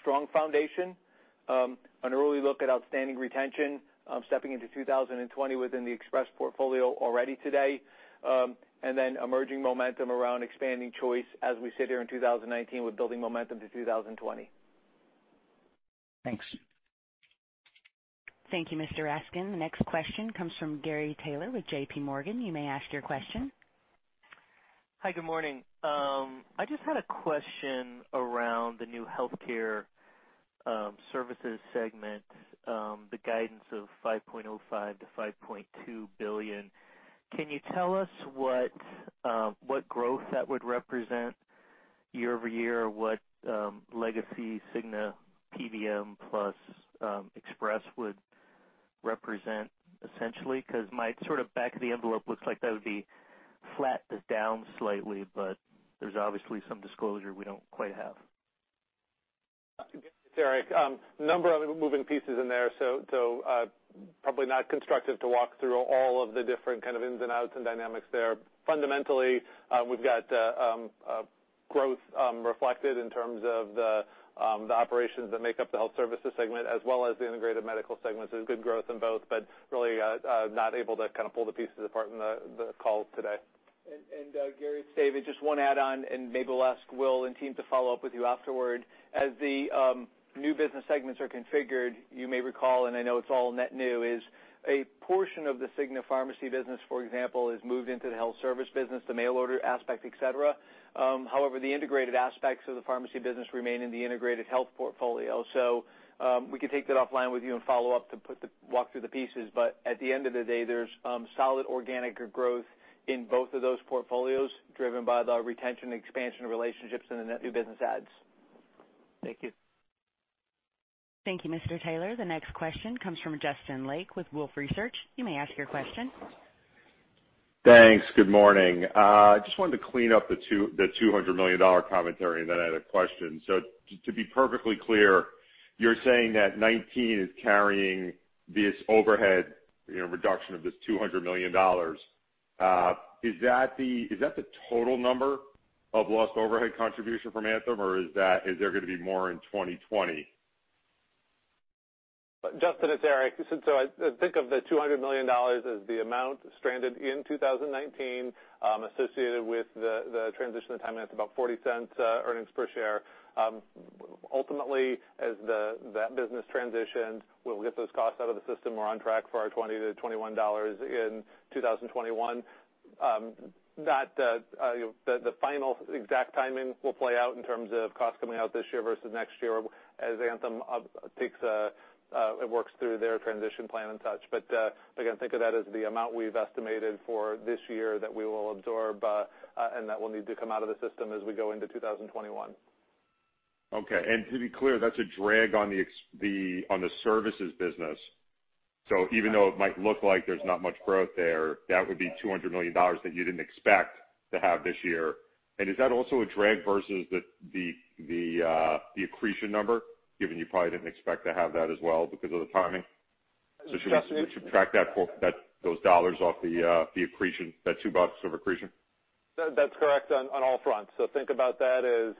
Strong foundation, an early look at outstanding retention, stepping into 2020 within the Express portfolio already today, and then emerging momentum around expanding choice as we sit here in 2019 with building momentum to 2020. Thanks. Thank you, Mr. Raskin. The next question comes from Gary Taylor with J.P. Morgan. You may ask your question. Hi, good morning. I just had a question around the new healthcare services segment, the guidance of $5.05 billion-$5.2 billion. Can you tell us what growth that would represent year-over-year? What legacy Cigna PBM plus Express would represent, essentially? My sort of back of the envelope looks like that would be flat to down slightly, but there's obviously some disclosure we don't quite have. It's Eric. A number of moving pieces in there, probably not constructive to walk through all of the different kind of ins and outs and dynamics there. Fundamentally, we've got growth reflected in terms of the operations that make up the Health Services Segment as well as the Integrated Medical Segment. There's good growth in both, but really not able to kind of pull the pieces apart in the call today. Gary, it's David. Just one add on, maybe we'll ask Will and team to follow up with you afterward. As the new business segments are configured, you may recall, and I know it's all net new, is a portion of the Cigna pharmacy business, for example, is moved into the Health Services Business, the mail order aspect, et cetera. However, the integrated aspects of the pharmacy business remain in the Integrated Health Portfolio. We can take that offline with you and follow up to walk through the pieces. At the end of the day, there's solid organic growth in both of those portfolios driven by the retention expansion relationships and the net new business adds. Thank you. Thank you, Mr. Taylor. The next question comes from Justin Lake with Wolfe Research. You may ask your question. Thanks. Good morning. Just wanted to clean up the $200 million commentary, then I had a question. To be perfectly clear, you're saying that 2019 is carrying this overhead reduction of this $200 million. Is that the total number of lost overhead contribution from Anthem, or is there going to be more in 2020? Justin, it's Eric. Think of the $200 million as the amount stranded in 2019 associated with the transition of timing. That's about $0.40 earnings per share. Ultimately, as that business transitions, we'll get those costs out of the system. We're on track for our $20-$21 in 2021. The final exact timing will play out in terms of costs coming out this year versus next year as Anthem works through their transition plan and such. Again, think of that as the amount we've estimated for this year that we will absorb and that will need to come out of the system as we go into 2021. Okay. To be clear, that's a drag on the services business. Even though it might look like there's not much growth there, that would be $200 million that you didn't expect to have this year. Is that also a drag versus the accretion number, given you probably didn't expect to have that as well because of the timing? Should we subtract those dollars off the accretion, that $2 of accretion? That's correct on all fronts. Think about that as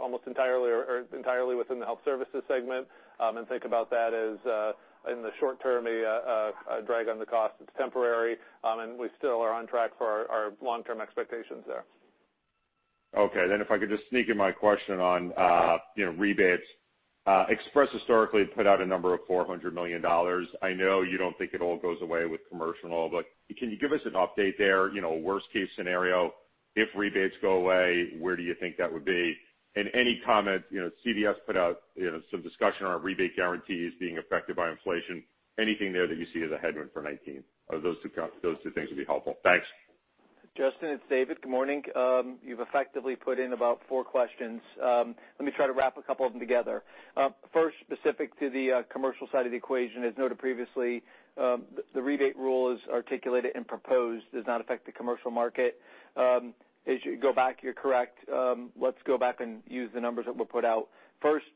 almost entirely within the health services segment, and think about that as in the short term, a drag on the cost. It's temporary, and we still are on track for our long-term expectations there. Okay. If I could just sneak in my question on rebates. Express historically had put out a number of $400 million. I know you don't think it all goes away with commercial and all, but can you give us an update there? Worst case scenario, if rebates go away, where do you think that would be? Any comment, CVS put out some discussion around rebate guarantees being affected by inflation. Anything there that you see as a headwind for 2019? Those two things would be helpful. Thanks. Justin, it's David. Good morning. You've effectively put in about four questions. Let me try to wrap a couple of them together. First, specific to the commercial side of the equation, as noted previously, the rebate rule, as articulated and proposed, does not affect the commercial market. As you go back, you're correct. Let's go back and use the numbers that were put out. First,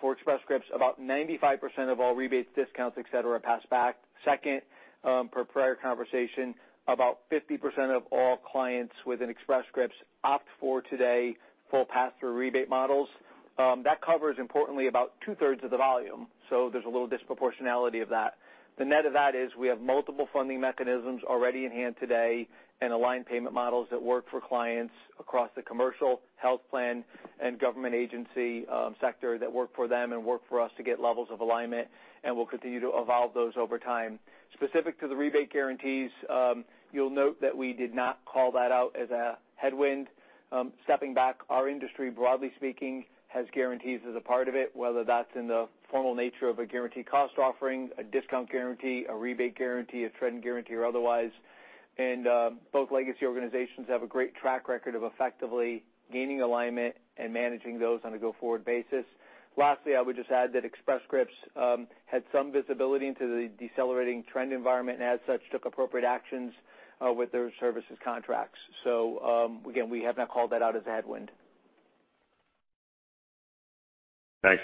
for Express Scripts, about 95% of all rebates, discounts, et cetera, pass back. Second, per prior conversation, about 50% of all clients within Express Scripts opt, for today, full pass-through rebate models. That covers, importantly, about two-thirds of the volume. There's a little disproportionality of that. The net of that is we have multiple funding mechanisms already in hand today, aligned payment models that work for clients across the commercial health plan and government agency sector that work for them and work for us to get levels of alignment, and we'll continue to evolve those over time. Specific to the rebate guarantees, you'll note that we did not call that out as a headwind. Stepping back, our industry, broadly speaking, has guarantees as a part of it, whether that's in the formal nature of a guaranteed cost offering, a discount guarantee, a rebate guarantee, a trend guarantee, or otherwise. Both legacy organizations have a great track record of effectively gaining alignment and managing those on a go-forward basis. Lastly, I would just add that Express Scripts had some visibility into the decelerating trend environment, and as such, took appropriate actions with those services contracts. Again, we have not called that out as a headwind. Thanks.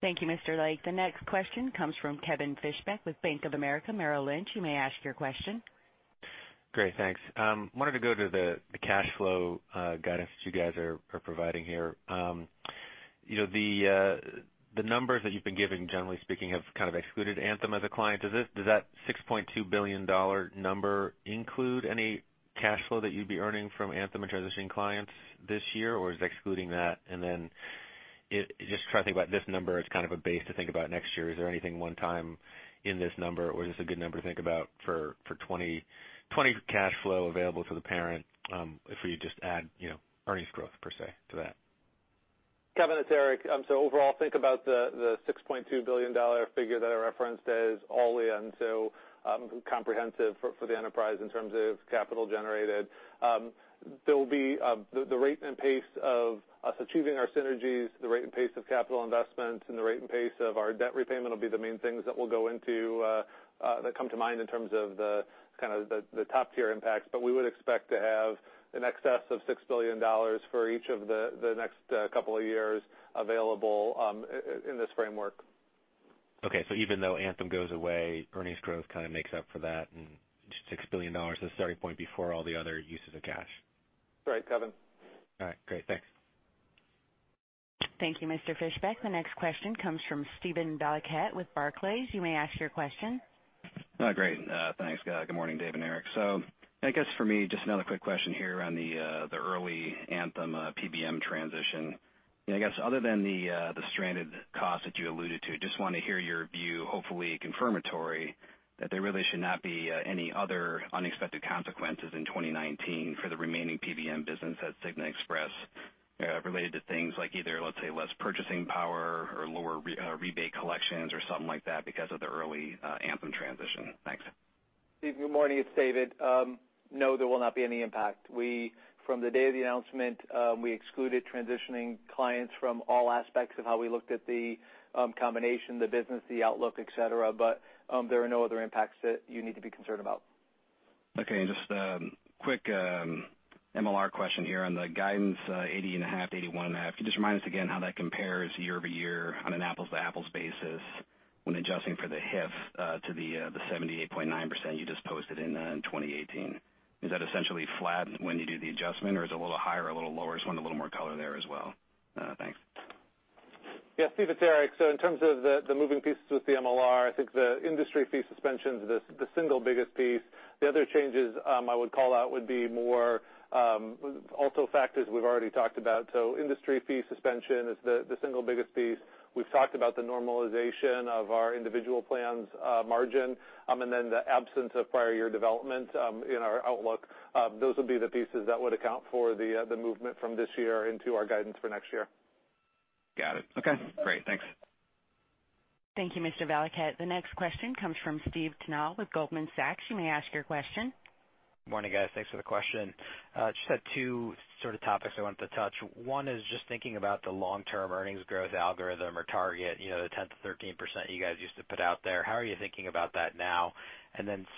Thank you, Mr. Lake. The next question comes from Kevin Fischbeck with Bank of America Merrill Lynch. You may ask your question. Great. Thanks. I wanted to go to the cash flow guidance that you guys are providing here. The numbers that you've been giving, generally speaking, have kind of excluded Anthem as a client. Does that $6.2 billion number include any cash flow that you'd be earning from Anthem transitioning clients this year, or is it excluding that? I'm just trying to think about this number as kind of a base to think about next year. Is there anything one time in this number or is this a good number to think about for 2020 cash flow available to the parent, if we just add earnings growth, per se, to that? Kevin, it's Eric. Overall, think about the $6.2 billion figure that I referenced as all-in, comprehensive for the enterprise in terms of capital generated. The rate and pace of us achieving our synergies, the rate and pace of capital investment, and the rate and pace of our debt repayment will be the main things that come to mind in terms of the top-tier impacts. We would expect to have in excess of $6 billion for each of the next couple of years available in this framework. Even though Anthem goes away, earnings growth kind of makes up for that, and $6 billion is the starting point before all the other uses of cash. That's right, Kevin. All right. Great. Thanks. Thank you, Mr. Fischbeck. The next question comes from Steven Valiquette with Barclays. You may ask your question. Great. Thanks. Good morning, Dave and Eric. I guess, for me, just another quick question here on the early Anthem PBM transition. I guess other than the stranded cost that you alluded to, just want to hear your view, hopefully confirmatory, that there really should not be any other unexpected consequences in 2019 for the remaining PBM business at Cigna Express related to things like either, let's say, less purchasing power or lower rebate collections or something like that because of the early Anthem transition. Thanks. Steve, good morning. It's David. No, there will not be any impact. From the day of the announcement, we excluded transitioning clients from all aspects of how we looked at the combination, the business, the outlook, et cetera, but there are no other impacts that you need to be concerned about. Okay. Just a quick MLR question here on the guidance, 80.5%, 81.5%. Can you just remind us again how that compares year-over-year on an apples-to-apples basis when adjusting for the HIF to the 78.9% you just posted in 2018? Is that essentially flat when you do the adjustment, or is it a little higher or a little lower? Just want a little more color there as well. Thanks. Yeah. Steve, it's Eric. In terms of the moving pieces with the MLR, I think the industry fee suspension's the single biggest piece. The other changes I would call out would be more also factors we've already talked about. Industry fee suspension is the single biggest piece. We've talked about the normalization of our individual plans margin, and then the absence of prior year development in our outlook. Those would be the pieces that would account for the movement from this year into our guidance for next year. Got it. Okay. Great. Thanks. Thank you, Mr. Valiquette. The next question comes from Steve Tanal with Goldman Sachs. You may ask your question. Morning, guys. Thanks for the question. Just had two sort of topics I wanted to touch. One is just thinking about the long-term earnings growth algorithm or target, the 10%-13% you guys used to put out there. How are you thinking about that now?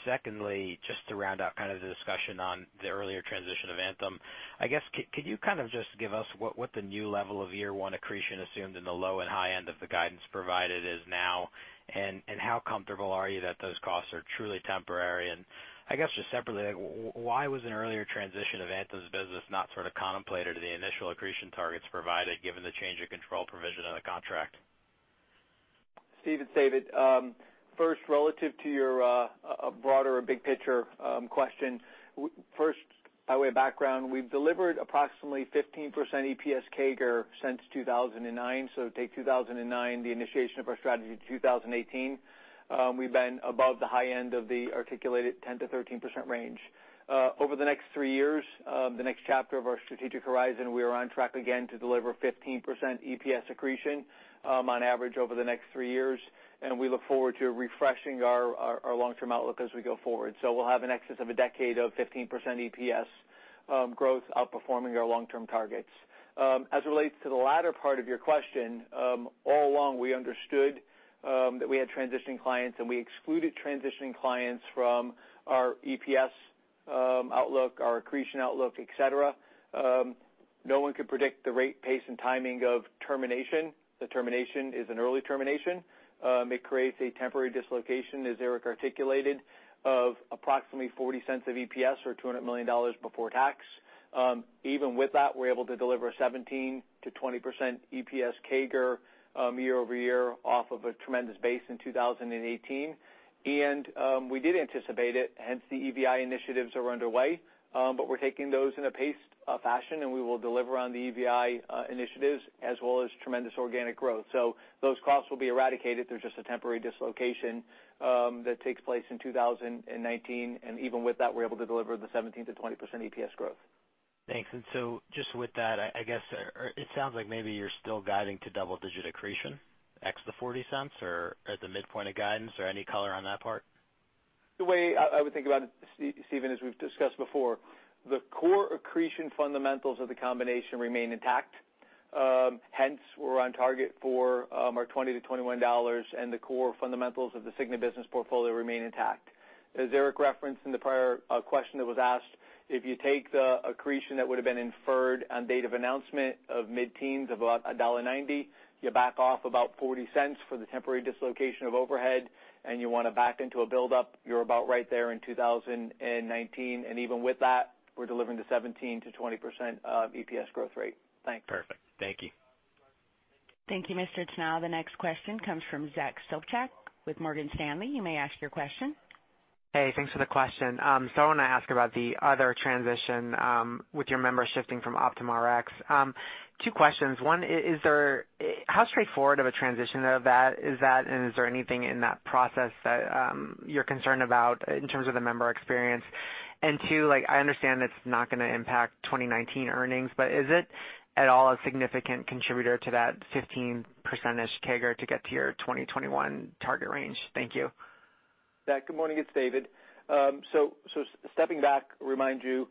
Secondly, just to round out kind of the discussion on the earlier transition of Anthem, I guess, could you kind of just give us what the new level of year one accretion assumed in the low and high end of the guidance provided is now, and how comfortable are you that those costs are truly temporary? I guess just separately, why was an earlier transition of Anthem's business not sort of contemplated to the initial accretion targets provided, given the change in control provision of the contract? Steve, it's David. First, relative to your broader big picture question. First, by way of background, we've delivered approximately 15% EPS CAGR since 2009. Take 2009, the initiation of our strategy to 2018. We've been above the high end of the articulated 10%-13% range. Over the next three years, the next chapter of our strategic horizon, we are on track again to deliver 15% EPS accretion, on average, over the next three years. We look forward to refreshing our long-term outlook as we go forward. We'll have in excess of a decade of 15% EPS growth outperforming our long-term targets. As it relates to the latter part of your question, all along we understood that we had transitioning clients. We excluded transitioning clients from our EPS outlook, our accretion outlook, et cetera. No one can predict the rate, pace, and timing of termination. The termination is an early termination. It creates a temporary dislocation, as Eric articulated, of approximately $0.40 of EPS or $200 million before tax. Even with that, we're able to deliver 17%-20% EPS CAGR year-over-year off of a tremendous base in 2018. We did anticipate it, hence the EVI initiatives are underway. We're taking those in a paced fashion. We will deliver on the EVI initiatives as well as tremendous organic growth. Those costs will be eradicated through just a temporary dislocation that takes place in 2019. Even with that, we're able to deliver the 17%-20% EPS growth. Thanks. Just with that, I guess, it sounds like maybe you're still guiding to double-digit accretion, ex the $0.40, or at the midpoint of guidance, or any color on that part? The way I would think about it, Steven, as we've discussed before, the core accretion fundamentals of the combination remain intact. Hence, we're on target for our $20-$21, and the core fundamentals of the Cigna business portfolio remain intact. As Eric referenced in the prior question that was asked, if you take the accretion that would've been inferred on date of announcement of mid-teens of about $1.90, you back off about $0.40 for the temporary dislocation of overhead, and you want to back into a buildup, you're about right there in 2019. Even with that, we're delivering the 17%-20% of EPS growth rate. Thanks. Perfect. Thank you. Thank you, Mr. Tanal. The next question comes from Zachary Sopcak with Morgan Stanley. You may ask your question. Hey, thanks for the question. I want to ask about the other transition with your members shifting from Optum Rx. Two questions. One, how straightforward of a transition of that is that, and is there anything in that process that you're concerned about in terms of the member experience? Two, I understand it's not going to impact 2019 earnings, but is it at all a significant contributor to that 15% CAGR to get to your 2021 target range? Thank you. Zach, good morning. It's David. Stepping back, remind you,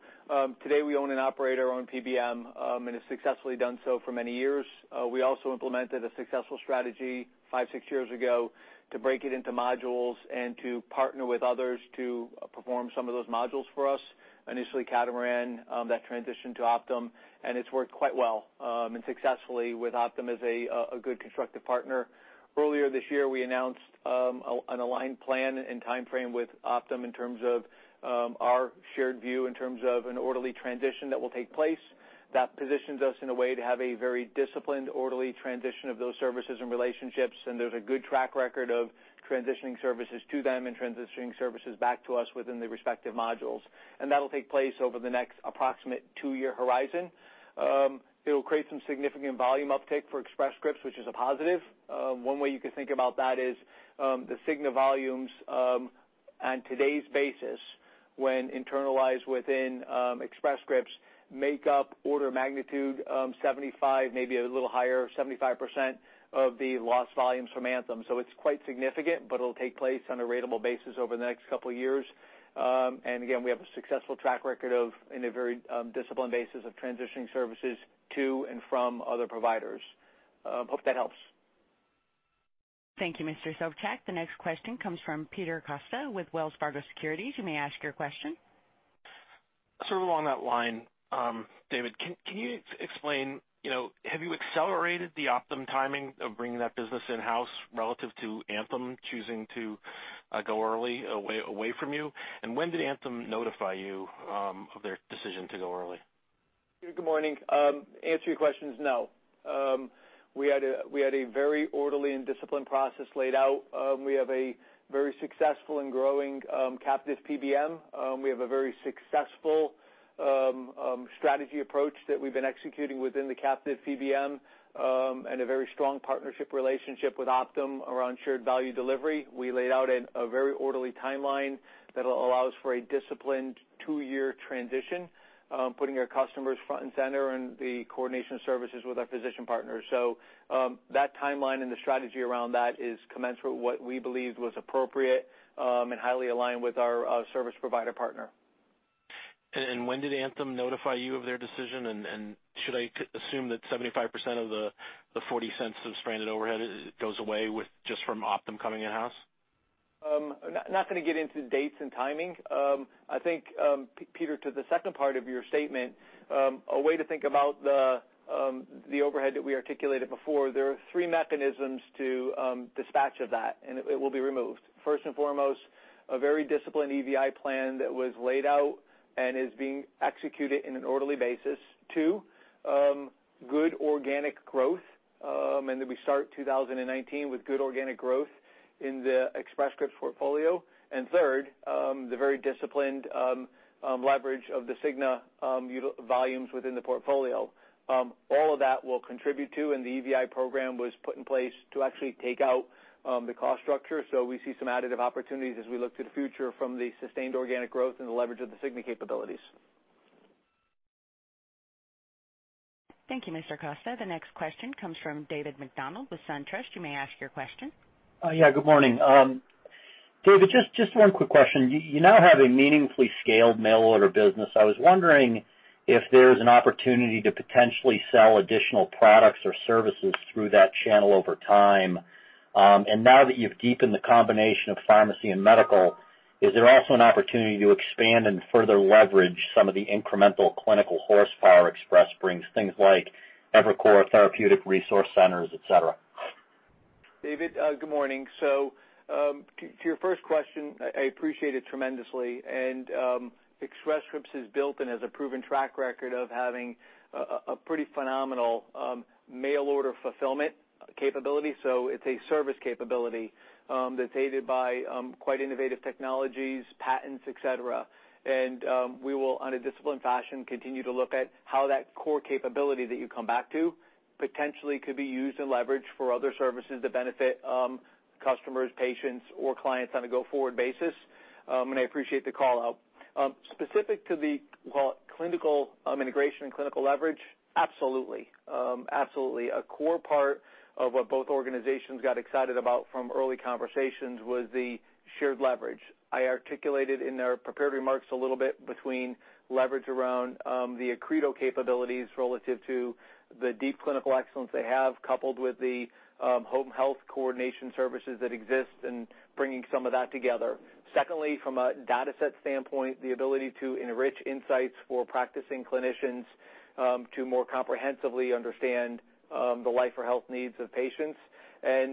today we own and operate our own PBM, and have successfully done so for many years. We also implemented a successful strategy five, six years ago to break it into modules and to partner with others to perform some of those modules for us. Initially, Catamaran, that transitioned to Optum, and it's worked quite well, and successfully with Optum as a good constructive partner. Earlier this year, we announced an aligned plan and timeframe with Optum in terms of our shared view in terms of an orderly transition that will take place. That positions us in a way to have a very disciplined, orderly transition of those services and relationships, and there's a good track record of transitioning services to them and transitioning services back to us within the respective modules. That'll take place over the next approximate two-year horizon. It'll create some significant volume uptake for Express Scripts, which is a positive. One way you could think about that is the Cigna volumes on today's basis, when internalized within Express Scripts, make up order of magnitude 75, maybe a little higher, 75% of the lost volumes from Anthem. It's quite significant, but it'll take place on a ratable basis over the next couple of years. Again, we have a successful track record of, in a very disciplined basis, of transitioning services to and from other providers. Hope that helps. Thank you, Mr. Sopcak. The next question comes from Peter Costa with Wells Fargo Securities. You may ask your question. Sort of along that line, David, can you explain, have you accelerated the Optum timing of bringing that business in-house relative to Anthem choosing to go early away from you? When did Anthem notify you of their decision to go early? Peter, good morning. To answer your questions, no. We had a very orderly and disciplined process laid out. We have a very successful and growing captive PBM. We have a very successful strategy approach that we've been executing within the captive PBM, and a very strong partnership relationship with Optum around shared value delivery. We laid out a very orderly timeline that allows for a disciplined two-year transition, putting our customers front and center in the coordination of services with our physician partners. That timeline and the strategy around that is commensurate with what we believed was appropriate, and highly aligned with our service provider partner. When did Anthem notify you of their decision? Should I assume that 75% of the $0.40 of stranded overhead goes away just from Optum coming in-house? I'm not going to get into dates and timing. I think, Peter, to the second part of your statement, a way to think about the overhead that we articulated before, there are three mechanisms to dispatch of that, and it will be removed. First and foremost, a very disciplined EVI plan that was laid out and is being executed in an orderly basis. Two, good organic growth, and that we start 2019 with good organic growth in the Express Scripts portfolio. Third, the very disciplined leverage of the Cigna volumes within the portfolio. All of that we'll contribute to, and the EVI program was put in place to actually take out the cost structure. We see some additive opportunities as we look to the future from the sustained organic growth and the leverage of the Cigna capabilities. Thank you, Mr. Costa. The next question comes from David MacDonald with SunTrust. You may ask your question. Yeah, good morning. David, just one quick question. You now have a meaningfully scaled mail order business. I was wondering if there's an opportunity to potentially sell additional products or services through that channel over time. Now that you've deepened the combination of pharmacy and medical, is there also an opportunity to expand and further leverage some of the incremental clinical horsepower Express brings, things like EviCore Therapeutic Resource Centers, et cetera? David, good morning. To your first question, I appreciate it tremendously. Express Scripts has built and has a proven track record of having a pretty phenomenal mail order fulfillment capability. It's a service capability that's aided by quite innovative technologies, patents, et cetera. We will, in a disciplined fashion, continue to look at how that core capability that you come back to potentially could be used and leveraged for other services that benefit customers, patients, or clients on a go-forward basis. I appreciate the call-out. Specific to the clinical integration and clinical leverage, absolutely. A core part of what both organizations got excited about from early conversations was the shared leverage. I articulated in our prepared remarks a little bit between leverage around the Accredo capabilities relative to the deep clinical excellence they have, coupled with the home health coordination services that exist and bringing some of that together. Secondly, from a data set standpoint, the ability to enrich insights for practicing clinicians to more comprehensively understand the life or health needs of patients. As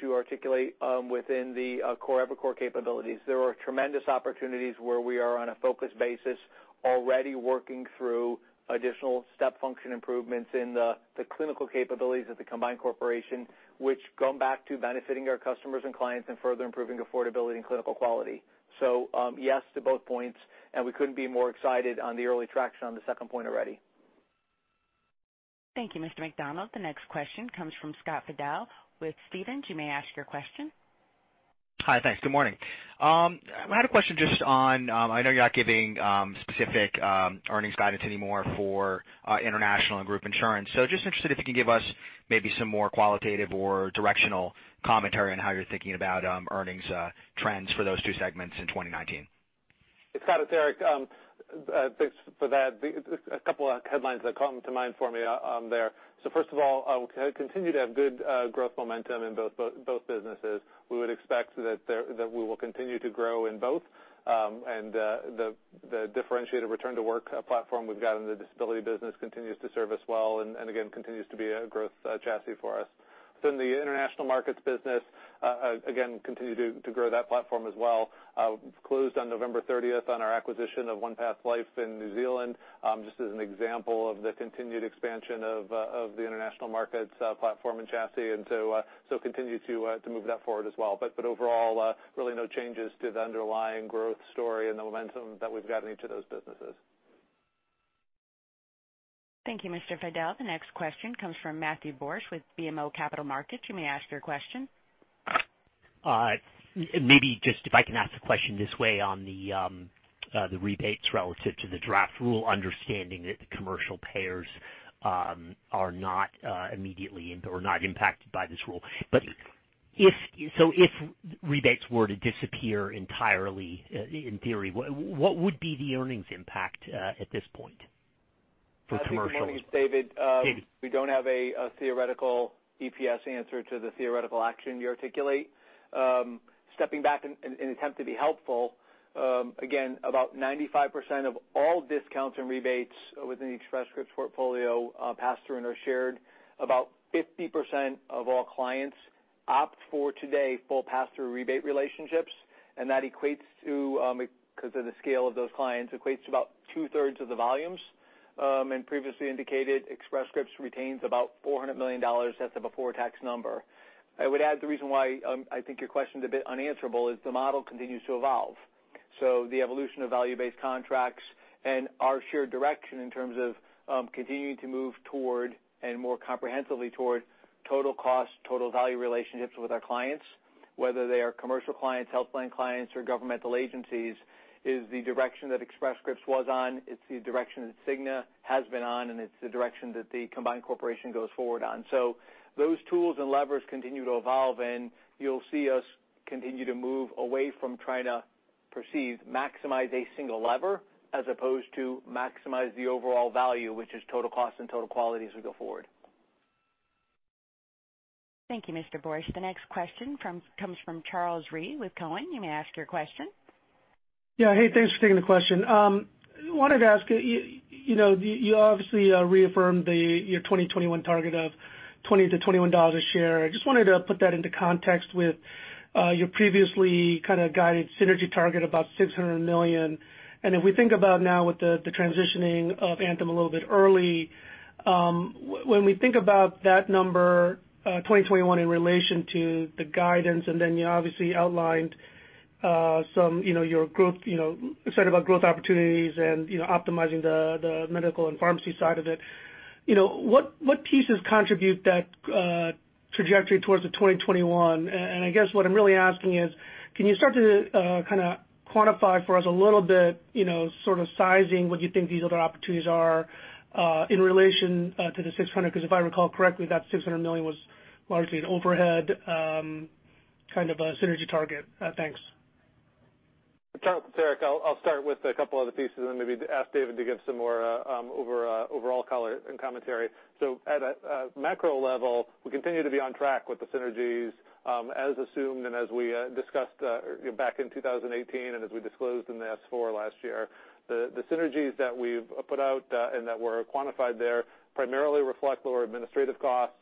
you articulate within the core EviCore capabilities, there are tremendous opportunities where we are on a focused basis, already working through additional step function improvements in the clinical capabilities of the combined corporation, which come back to benefiting our customers and clients and further improving affordability and clinical quality. Yes to both points, and we couldn't be more excited on the early traction on the second point already. Thank you, Mr. MacDonald. The next question comes from Scott Fidel with Stephens. You may ask your question. Hi. Thanks. Good morning. I had a question just on, I know you're not giving specific earnings guidance anymore for international and group insurance. Just interested if you can give us maybe some more qualitative or directional commentary on how you're thinking about earnings trends for those two segments in 2019. Hey, Scott. It's Eric. Thanks for that. A couple of headlines that come to mind for me on there. First of all, we continue to have good growth momentum in both businesses. We would expect that we will continue to grow in both. The differentiated return to work platform we've got in the disability business continues to serve us well, and again, continues to be a growth chassis for us. Within the international markets business, again, continue to grow that platform as well. We closed on November 30th on our acquisition of OnePath Life in New Zealand, just as an example of the continued expansion of the international markets platform and chassis, continue to move that forward as well. Overall, really no changes to the underlying growth story and the momentum that we've got in each of those businesses. Thank you, Mr. Fidel. The next question comes from Matthew Borsch with BMO Capital Markets. You may ask your question. Maybe just if I can ask a question this way on the rebates relative to the draft rule, understanding that the commercial payers are not immediately or not impacted by this rule. If rebates were to disappear entirely, in theory, what would be the earnings impact at this point for commercials? Good morning. It's David. David. We don't have a theoretical EPS answer to the theoretical action you articulate. Stepping back in attempt to be helpful, again, about 95% of all discounts and rebates within the Express Scripts portfolio pass through and are shared. About 50% of all clients opt for, today, full pass-through rebate relationships, and that, because of the scale of those clients, equates to about two-thirds of the volumes. Previously indicated, Express Scripts retains about $400 million. That's the before tax number. I would add the reason why I think your question's a bit unanswerable is the model continues to evolve. The evolution of value-based contracts and our shared direction in terms of continuing to move toward, and more comprehensively toward, total cost, total value relationships with our clients, whether they are commercial clients, health plan clients, or governmental agencies, is the direction that Express Scripts was on. It's the direction that Cigna has been on, it's the direction that the combined corporation goes forward on. Those tools and levers continue to evolve, and you'll see us continue to move away from trying to perceive maximize a single lever, as opposed to maximize the overall value, which is total cost and total quality, as we go forward. Thank you, Mr. Borsch. The next question comes from Charles Rhyee with Cowen. You may ask your question. Hey, thanks for taking the question. Wanted to ask, you obviously reaffirmed your 2021 target of $20-$21 a share. I just wanted to put that into context with your previously kind of guided synergy target, about $600 million. If we think about now with the transitioning of Anthem a little bit early, when we think about that number, 2021, in relation to the guidance, you obviously outlined some your group, excited about growth opportunities and optimizing the medical and pharmacy side of it. What pieces contribute that trajectory towards the 2021? I guess what I'm really asking is, can you start to kind of quantify for us a little bit, sort of sizing what you think these other opportunities are in relation to the $600? Because if I recall correctly, that $600 million was largely an overhead, kind of a synergy target. Thanks. Sure. Eric, I'll start with a couple other pieces, then maybe ask David to give some more overall color and commentary. At a macro level, we continue to be on track with the synergies, as assumed and as we discussed back in 2018, as we disclosed in the S4 last year. The synergies that we've put out, that were quantified there, primarily reflect lower administrative costs,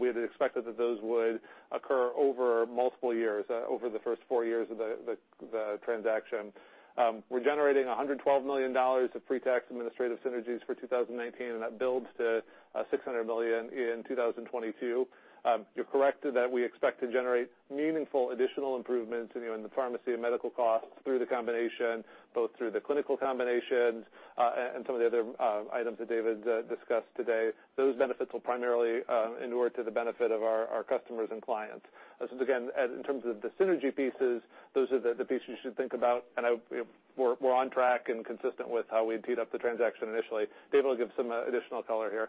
we had expected that those would occur over multiple years, over the first four years of the transaction. We're generating $112 million of pre-tax administrative synergies for 2019, that builds to $600 million in 2022. You're correct that we expect to generate meaningful additional improvements in the pharmacy and medical costs through the combination, both through the clinical combinations, some of the other items that David discussed today. Those benefits will primarily inure to the benefit of our customers and clients. Again, in terms of the synergy pieces, those are the pieces you should think about, and we're on track and consistent with how we'd teed up the transaction initially. David will give some additional color here.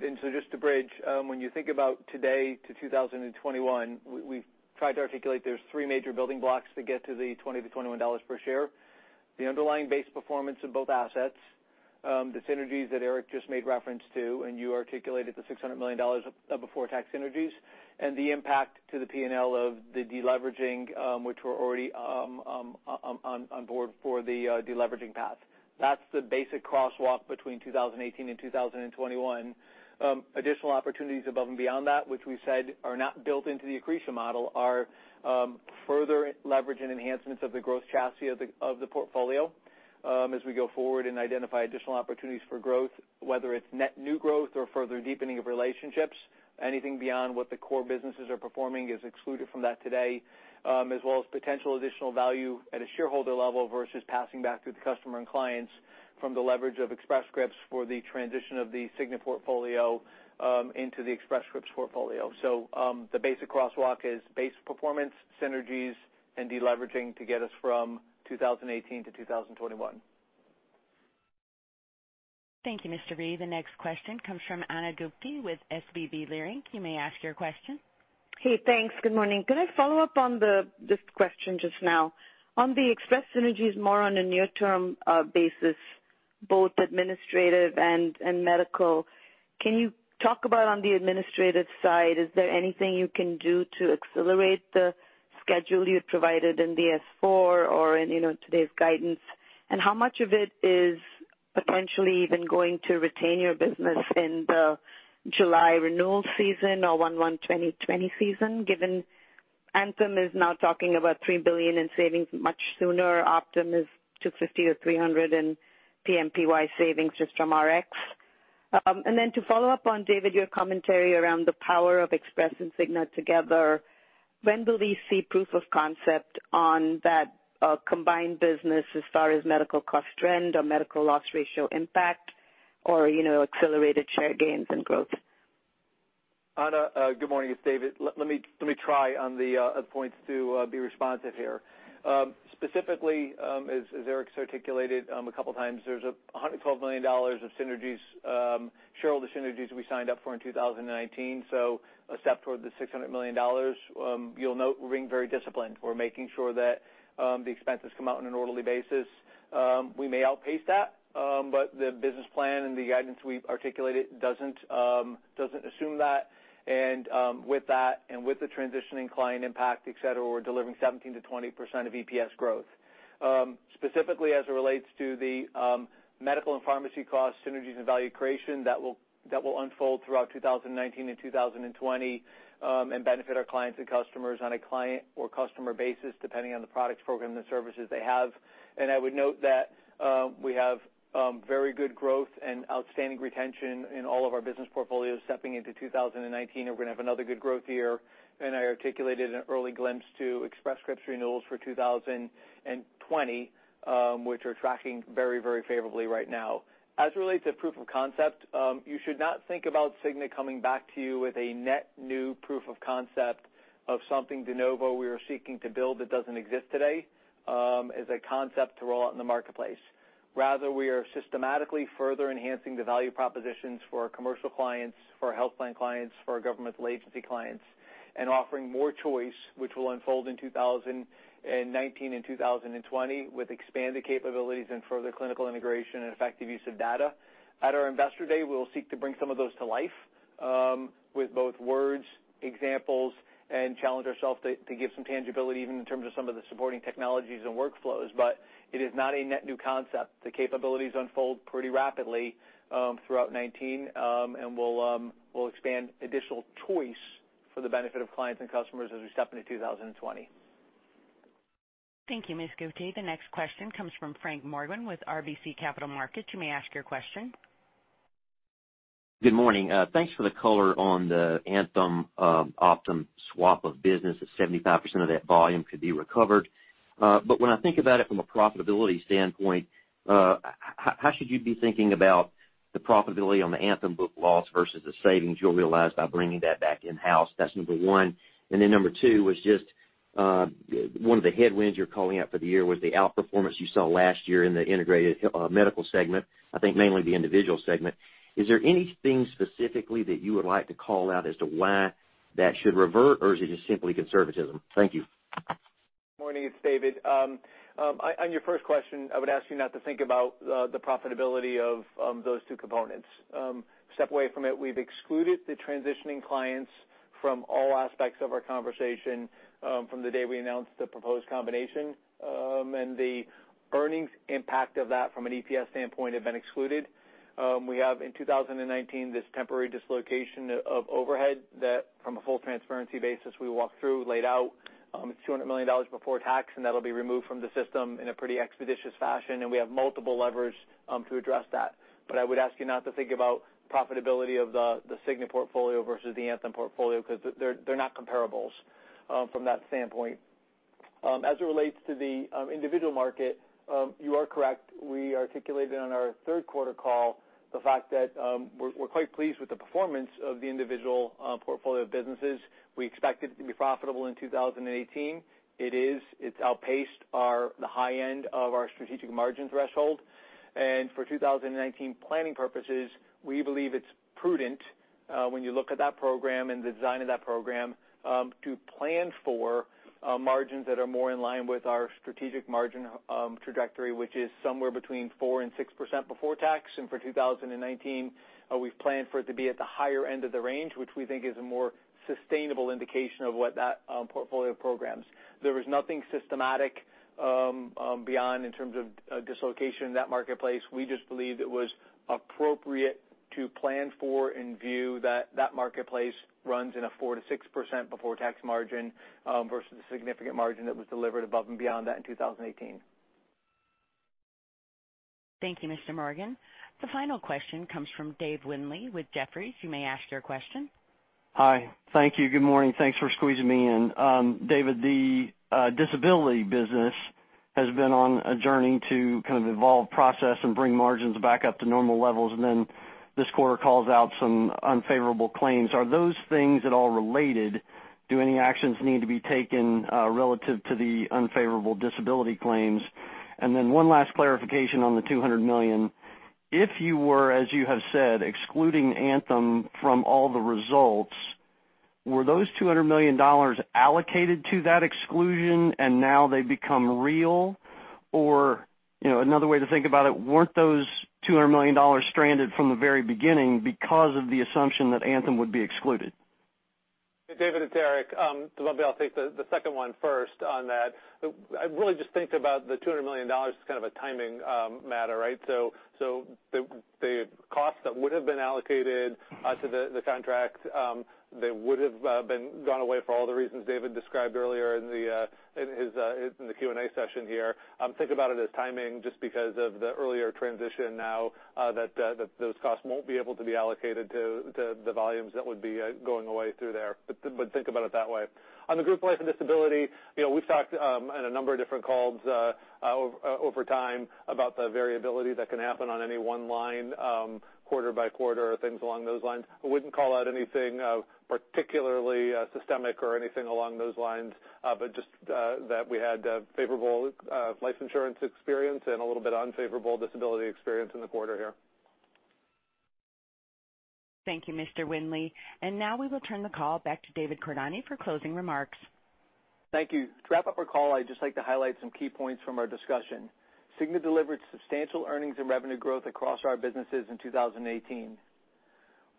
Yeah. Just to bridge, when you think about today to 2021, we've tried to articulate there's three major building blocks to get to the $20-$21 per share. The underlying base performance of both assets, the synergies that Eric just made reference to, and you articulated the $600 million of before-tax synergies, and the impact to the P&L of the de-leveraging, which we're already on board for the de-leveraging path. That's the basic crosswalk between 2018 and 2021. Additional opportunities above and beyond that, which we said are not built into the accretion model, are further leverage and enhancements of the growth chassis of the portfolio. As we go forward and identify additional opportunities for growth, whether it's net new growth or further deepening of relationships, anything beyond what the core businesses are performing is excluded from that today, as well as potential additional value at a shareholder level versus passing back to the customer and clients from the leverage of Express Scripts for the transition of the Cigna portfolio into the Express Scripts portfolio. The basic crosswalk is base performance, synergies, and de-leveraging to get us from 2018 -2021. Thank you, Mr. Rhyee. The next question comes from Ana Gupte with SVB Leerink. You may ask your question. Hey, thanks. Good morning. Can I follow up on this question just now? On the Express synergies more on a near-term basis, both administrative and medical, can you talk about on the administrative side, is there anything you can do to accelerate the schedule you'd provided in the S4 or in today's guidance? How much of it is potentially even going to retain your business in the July renewal season or 1/1/2020 season, given Anthem is now talking about $3 billion in savings much sooner, Optum is $250 - $300 in PMPY savings just from Rx. To follow up on, David, your commentary around the power of Express and Cigna together, when will we see proof of concept on that combined business as far as medical cost trend or medical loss ratio impact or accelerated share gains and growth? Ana, good morning. It's David. Let me try on the points to be responsive here. Specifically, as Eric's articulated a couple times, there's $112 million of shareholder synergies we signed up for in 2019, so a step toward the $600 million. You'll note we're being very disciplined. We're making sure that the expenses come out on an orderly basis. We may outpace that, but the business plan and the guidance we've articulated doesn't assume that. With that, and with the transitioning client impact, et cetera, we're delivering 17%-20% of EPS growth. Specifically as it relates to the medical and pharmacy cost synergies and value creation, that will unfold throughout 2019 and 2020, and benefit our clients and customers on a client or customer basis, depending on the products, program, and services they have. I would note that we have very good growth and outstanding retention in all of our business portfolios. Stepping into 2019, we're going to have another good growth year. I articulated an early glimpse to Express Scripts renewals for 2020, which are tracking very favorably right now. As it relates to proof of concept, you should not think about Cigna coming back to you with a net new proof of concept of something de novo we are seeking to build that doesn't exist today, as a concept to roll out in the marketplace. Rather, we are systematically further enhancing the value propositions for our commercial clients, for our health plan clients, for our government agency clients, offering more choice, which will unfold in 2019 and 2020, with expanded capabilities and further clinical integration and effective use of data. At our Investor Day, we will seek to bring some of those to life, with both words, examples, and challenge ourselves to give some tangibility, even in terms of some of the supporting technologies and workflows. It is not a net new concept. The capabilities unfold pretty rapidly throughout 2019, we'll expand additional choice for the benefit of clients and customers as we step into 2020. Thank you, Ms. Gupte. The next question comes from Frank Morgan with RBC Capital Markets. You may ask your question. Good morning. Thanks for the color on the Anthem/Optum swap of business, that 75% of that volume could be recovered. When I think about it from a profitability standpoint, how should you be thinking about the profitability on the Anthem book loss versus the savings you'll realize by bringing that back in-house? That's number one. Number two was just, one of the headwinds you're calling out for the year was the outperformance you saw last year in the integrated medical segment, I think mainly the individual segment. Is there anything specifically that you would like to call out as to why that should revert, or is it just simply conservatism? Thank you. Morning, it's David. On your first question, I would ask you not to think about the profitability of those two components. Step away from it. We've excluded the transitioning clients from all aspects of our conversation from the day we announced the proposed combination, and the earnings impact of that from an EPS standpoint have been excluded. We have, in 2019, this temporary dislocation of overhead that from a full transparency basis, we walked through, laid out. It's $200 million before tax, and that'll be removed from the system in a pretty expeditious fashion, and we have multiple levers to address that. I would ask you not to think about profitability of the Cigna portfolio versus the Anthem portfolio, because they're not comparables from that standpoint. As it relates to the individual market, you are correct. We articulated on our third quarter call the fact that we're quite pleased with the performance of the individual portfolio of businesses. We expect it to be profitable in 2018. It is. It's outpaced the high end of our strategic margin threshold. For 2019 planning purposes, we believe it's prudent, when you look at that program and the design of that program, to plan for margins that are more in line with our strategic margin trajectory, which is somewhere between 4% and 6% before tax. For 2019, we've planned for it to be at the higher end of the range, which we think is a more sustainable indication of what that portfolio programs. There was nothing systematic beyond in terms of dislocation in that marketplace. We just believed it was appropriate to plan for and view that that marketplace runs in a 4%-6% before tax margin versus the significant margin that was delivered above and beyond that in 2018. Thank you, Mr. Morgan. The final question comes from Dave Windley with Jefferies. You may ask your question. Hi. Thank you. Good morning. Thanks for squeezing me in. David, the disability business has been on a journey to kind of evolve process and bring margins back up to normal levels, this quarter calls out some unfavorable claims. Are those things at all related? Do any actions need to be taken relative to the unfavorable disability claims? One last clarification on the $200 million. If you were, as you have said, excluding Anthem from all the results, were those $200 million allocated to that exclusion and now they've become real? Another way to think about it, weren't those $200 million stranded from the very beginning because of the assumption that Anthem would be excluded? David, it's Eric. I'll take the second one first on that. I really just think about the $200 million as kind of a timing matter, right? The cost that would've been allocated to the contract, they would've gone away for all the reasons David described earlier in the Q&A session here. Think about it as timing just because of the earlier transition now that those costs won't be able to be allocated to the volumes that would be going away through there. Think about it that way. On the group life and disability, we've talked on a number of different calls over time about the variability that can happen on any one line, quarter by quarter or things along those lines. I wouldn't call out anything particularly systemic or anything along those lines, but just that we had a favorable life insurance experience and a little bit unfavorable disability experience in the quarter here. Thank you, Mr. Windley. Now we will turn the call back to David Cordani for closing remarks. Thank you. To wrap up our call, I'd just like to highlight some key points from our discussion. Cigna delivered substantial earnings and revenue growth across our businesses in 2018.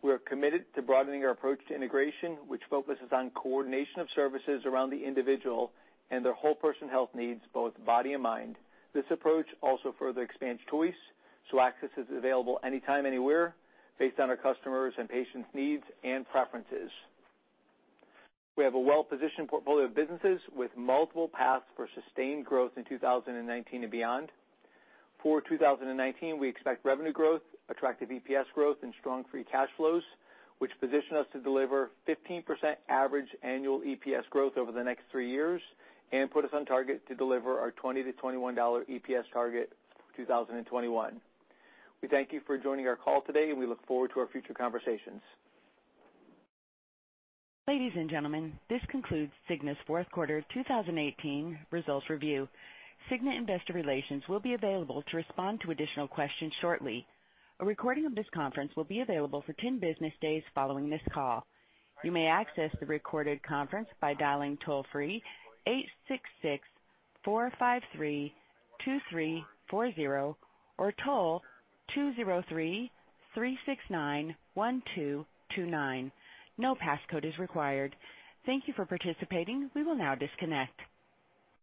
We are committed to broadening our approach to integration, which focuses on coordination of services around the individual and their whole person health needs, both body and mind. This approach also further expands choice, so access is available anytime, anywhere, based on our customers' and patients' needs and preferences. We have a well-positioned portfolio of businesses with multiple paths for sustained growth in 2019 and beyond. For 2019, we expect revenue growth, attractive EPS growth, and strong free cash flows, which position us to deliver 15% average annual EPS growth over the next three years and put us on target to deliver our $20-$21 EPS target for 2021. We thank you for joining our call today. We look forward to our future conversations. Ladies and gentlemen, this concludes Cigna's fourth quarter 2018 results review. Cigna investor Relations will be available to respond to additional questions shortly. A recording of this conference will be available for 10 business days following this call. You may access the recorded conference by dialing toll-free 866-453-2340 or toll 203-369-1229. No passcode is required. Thank you for participating. We will now disconnect.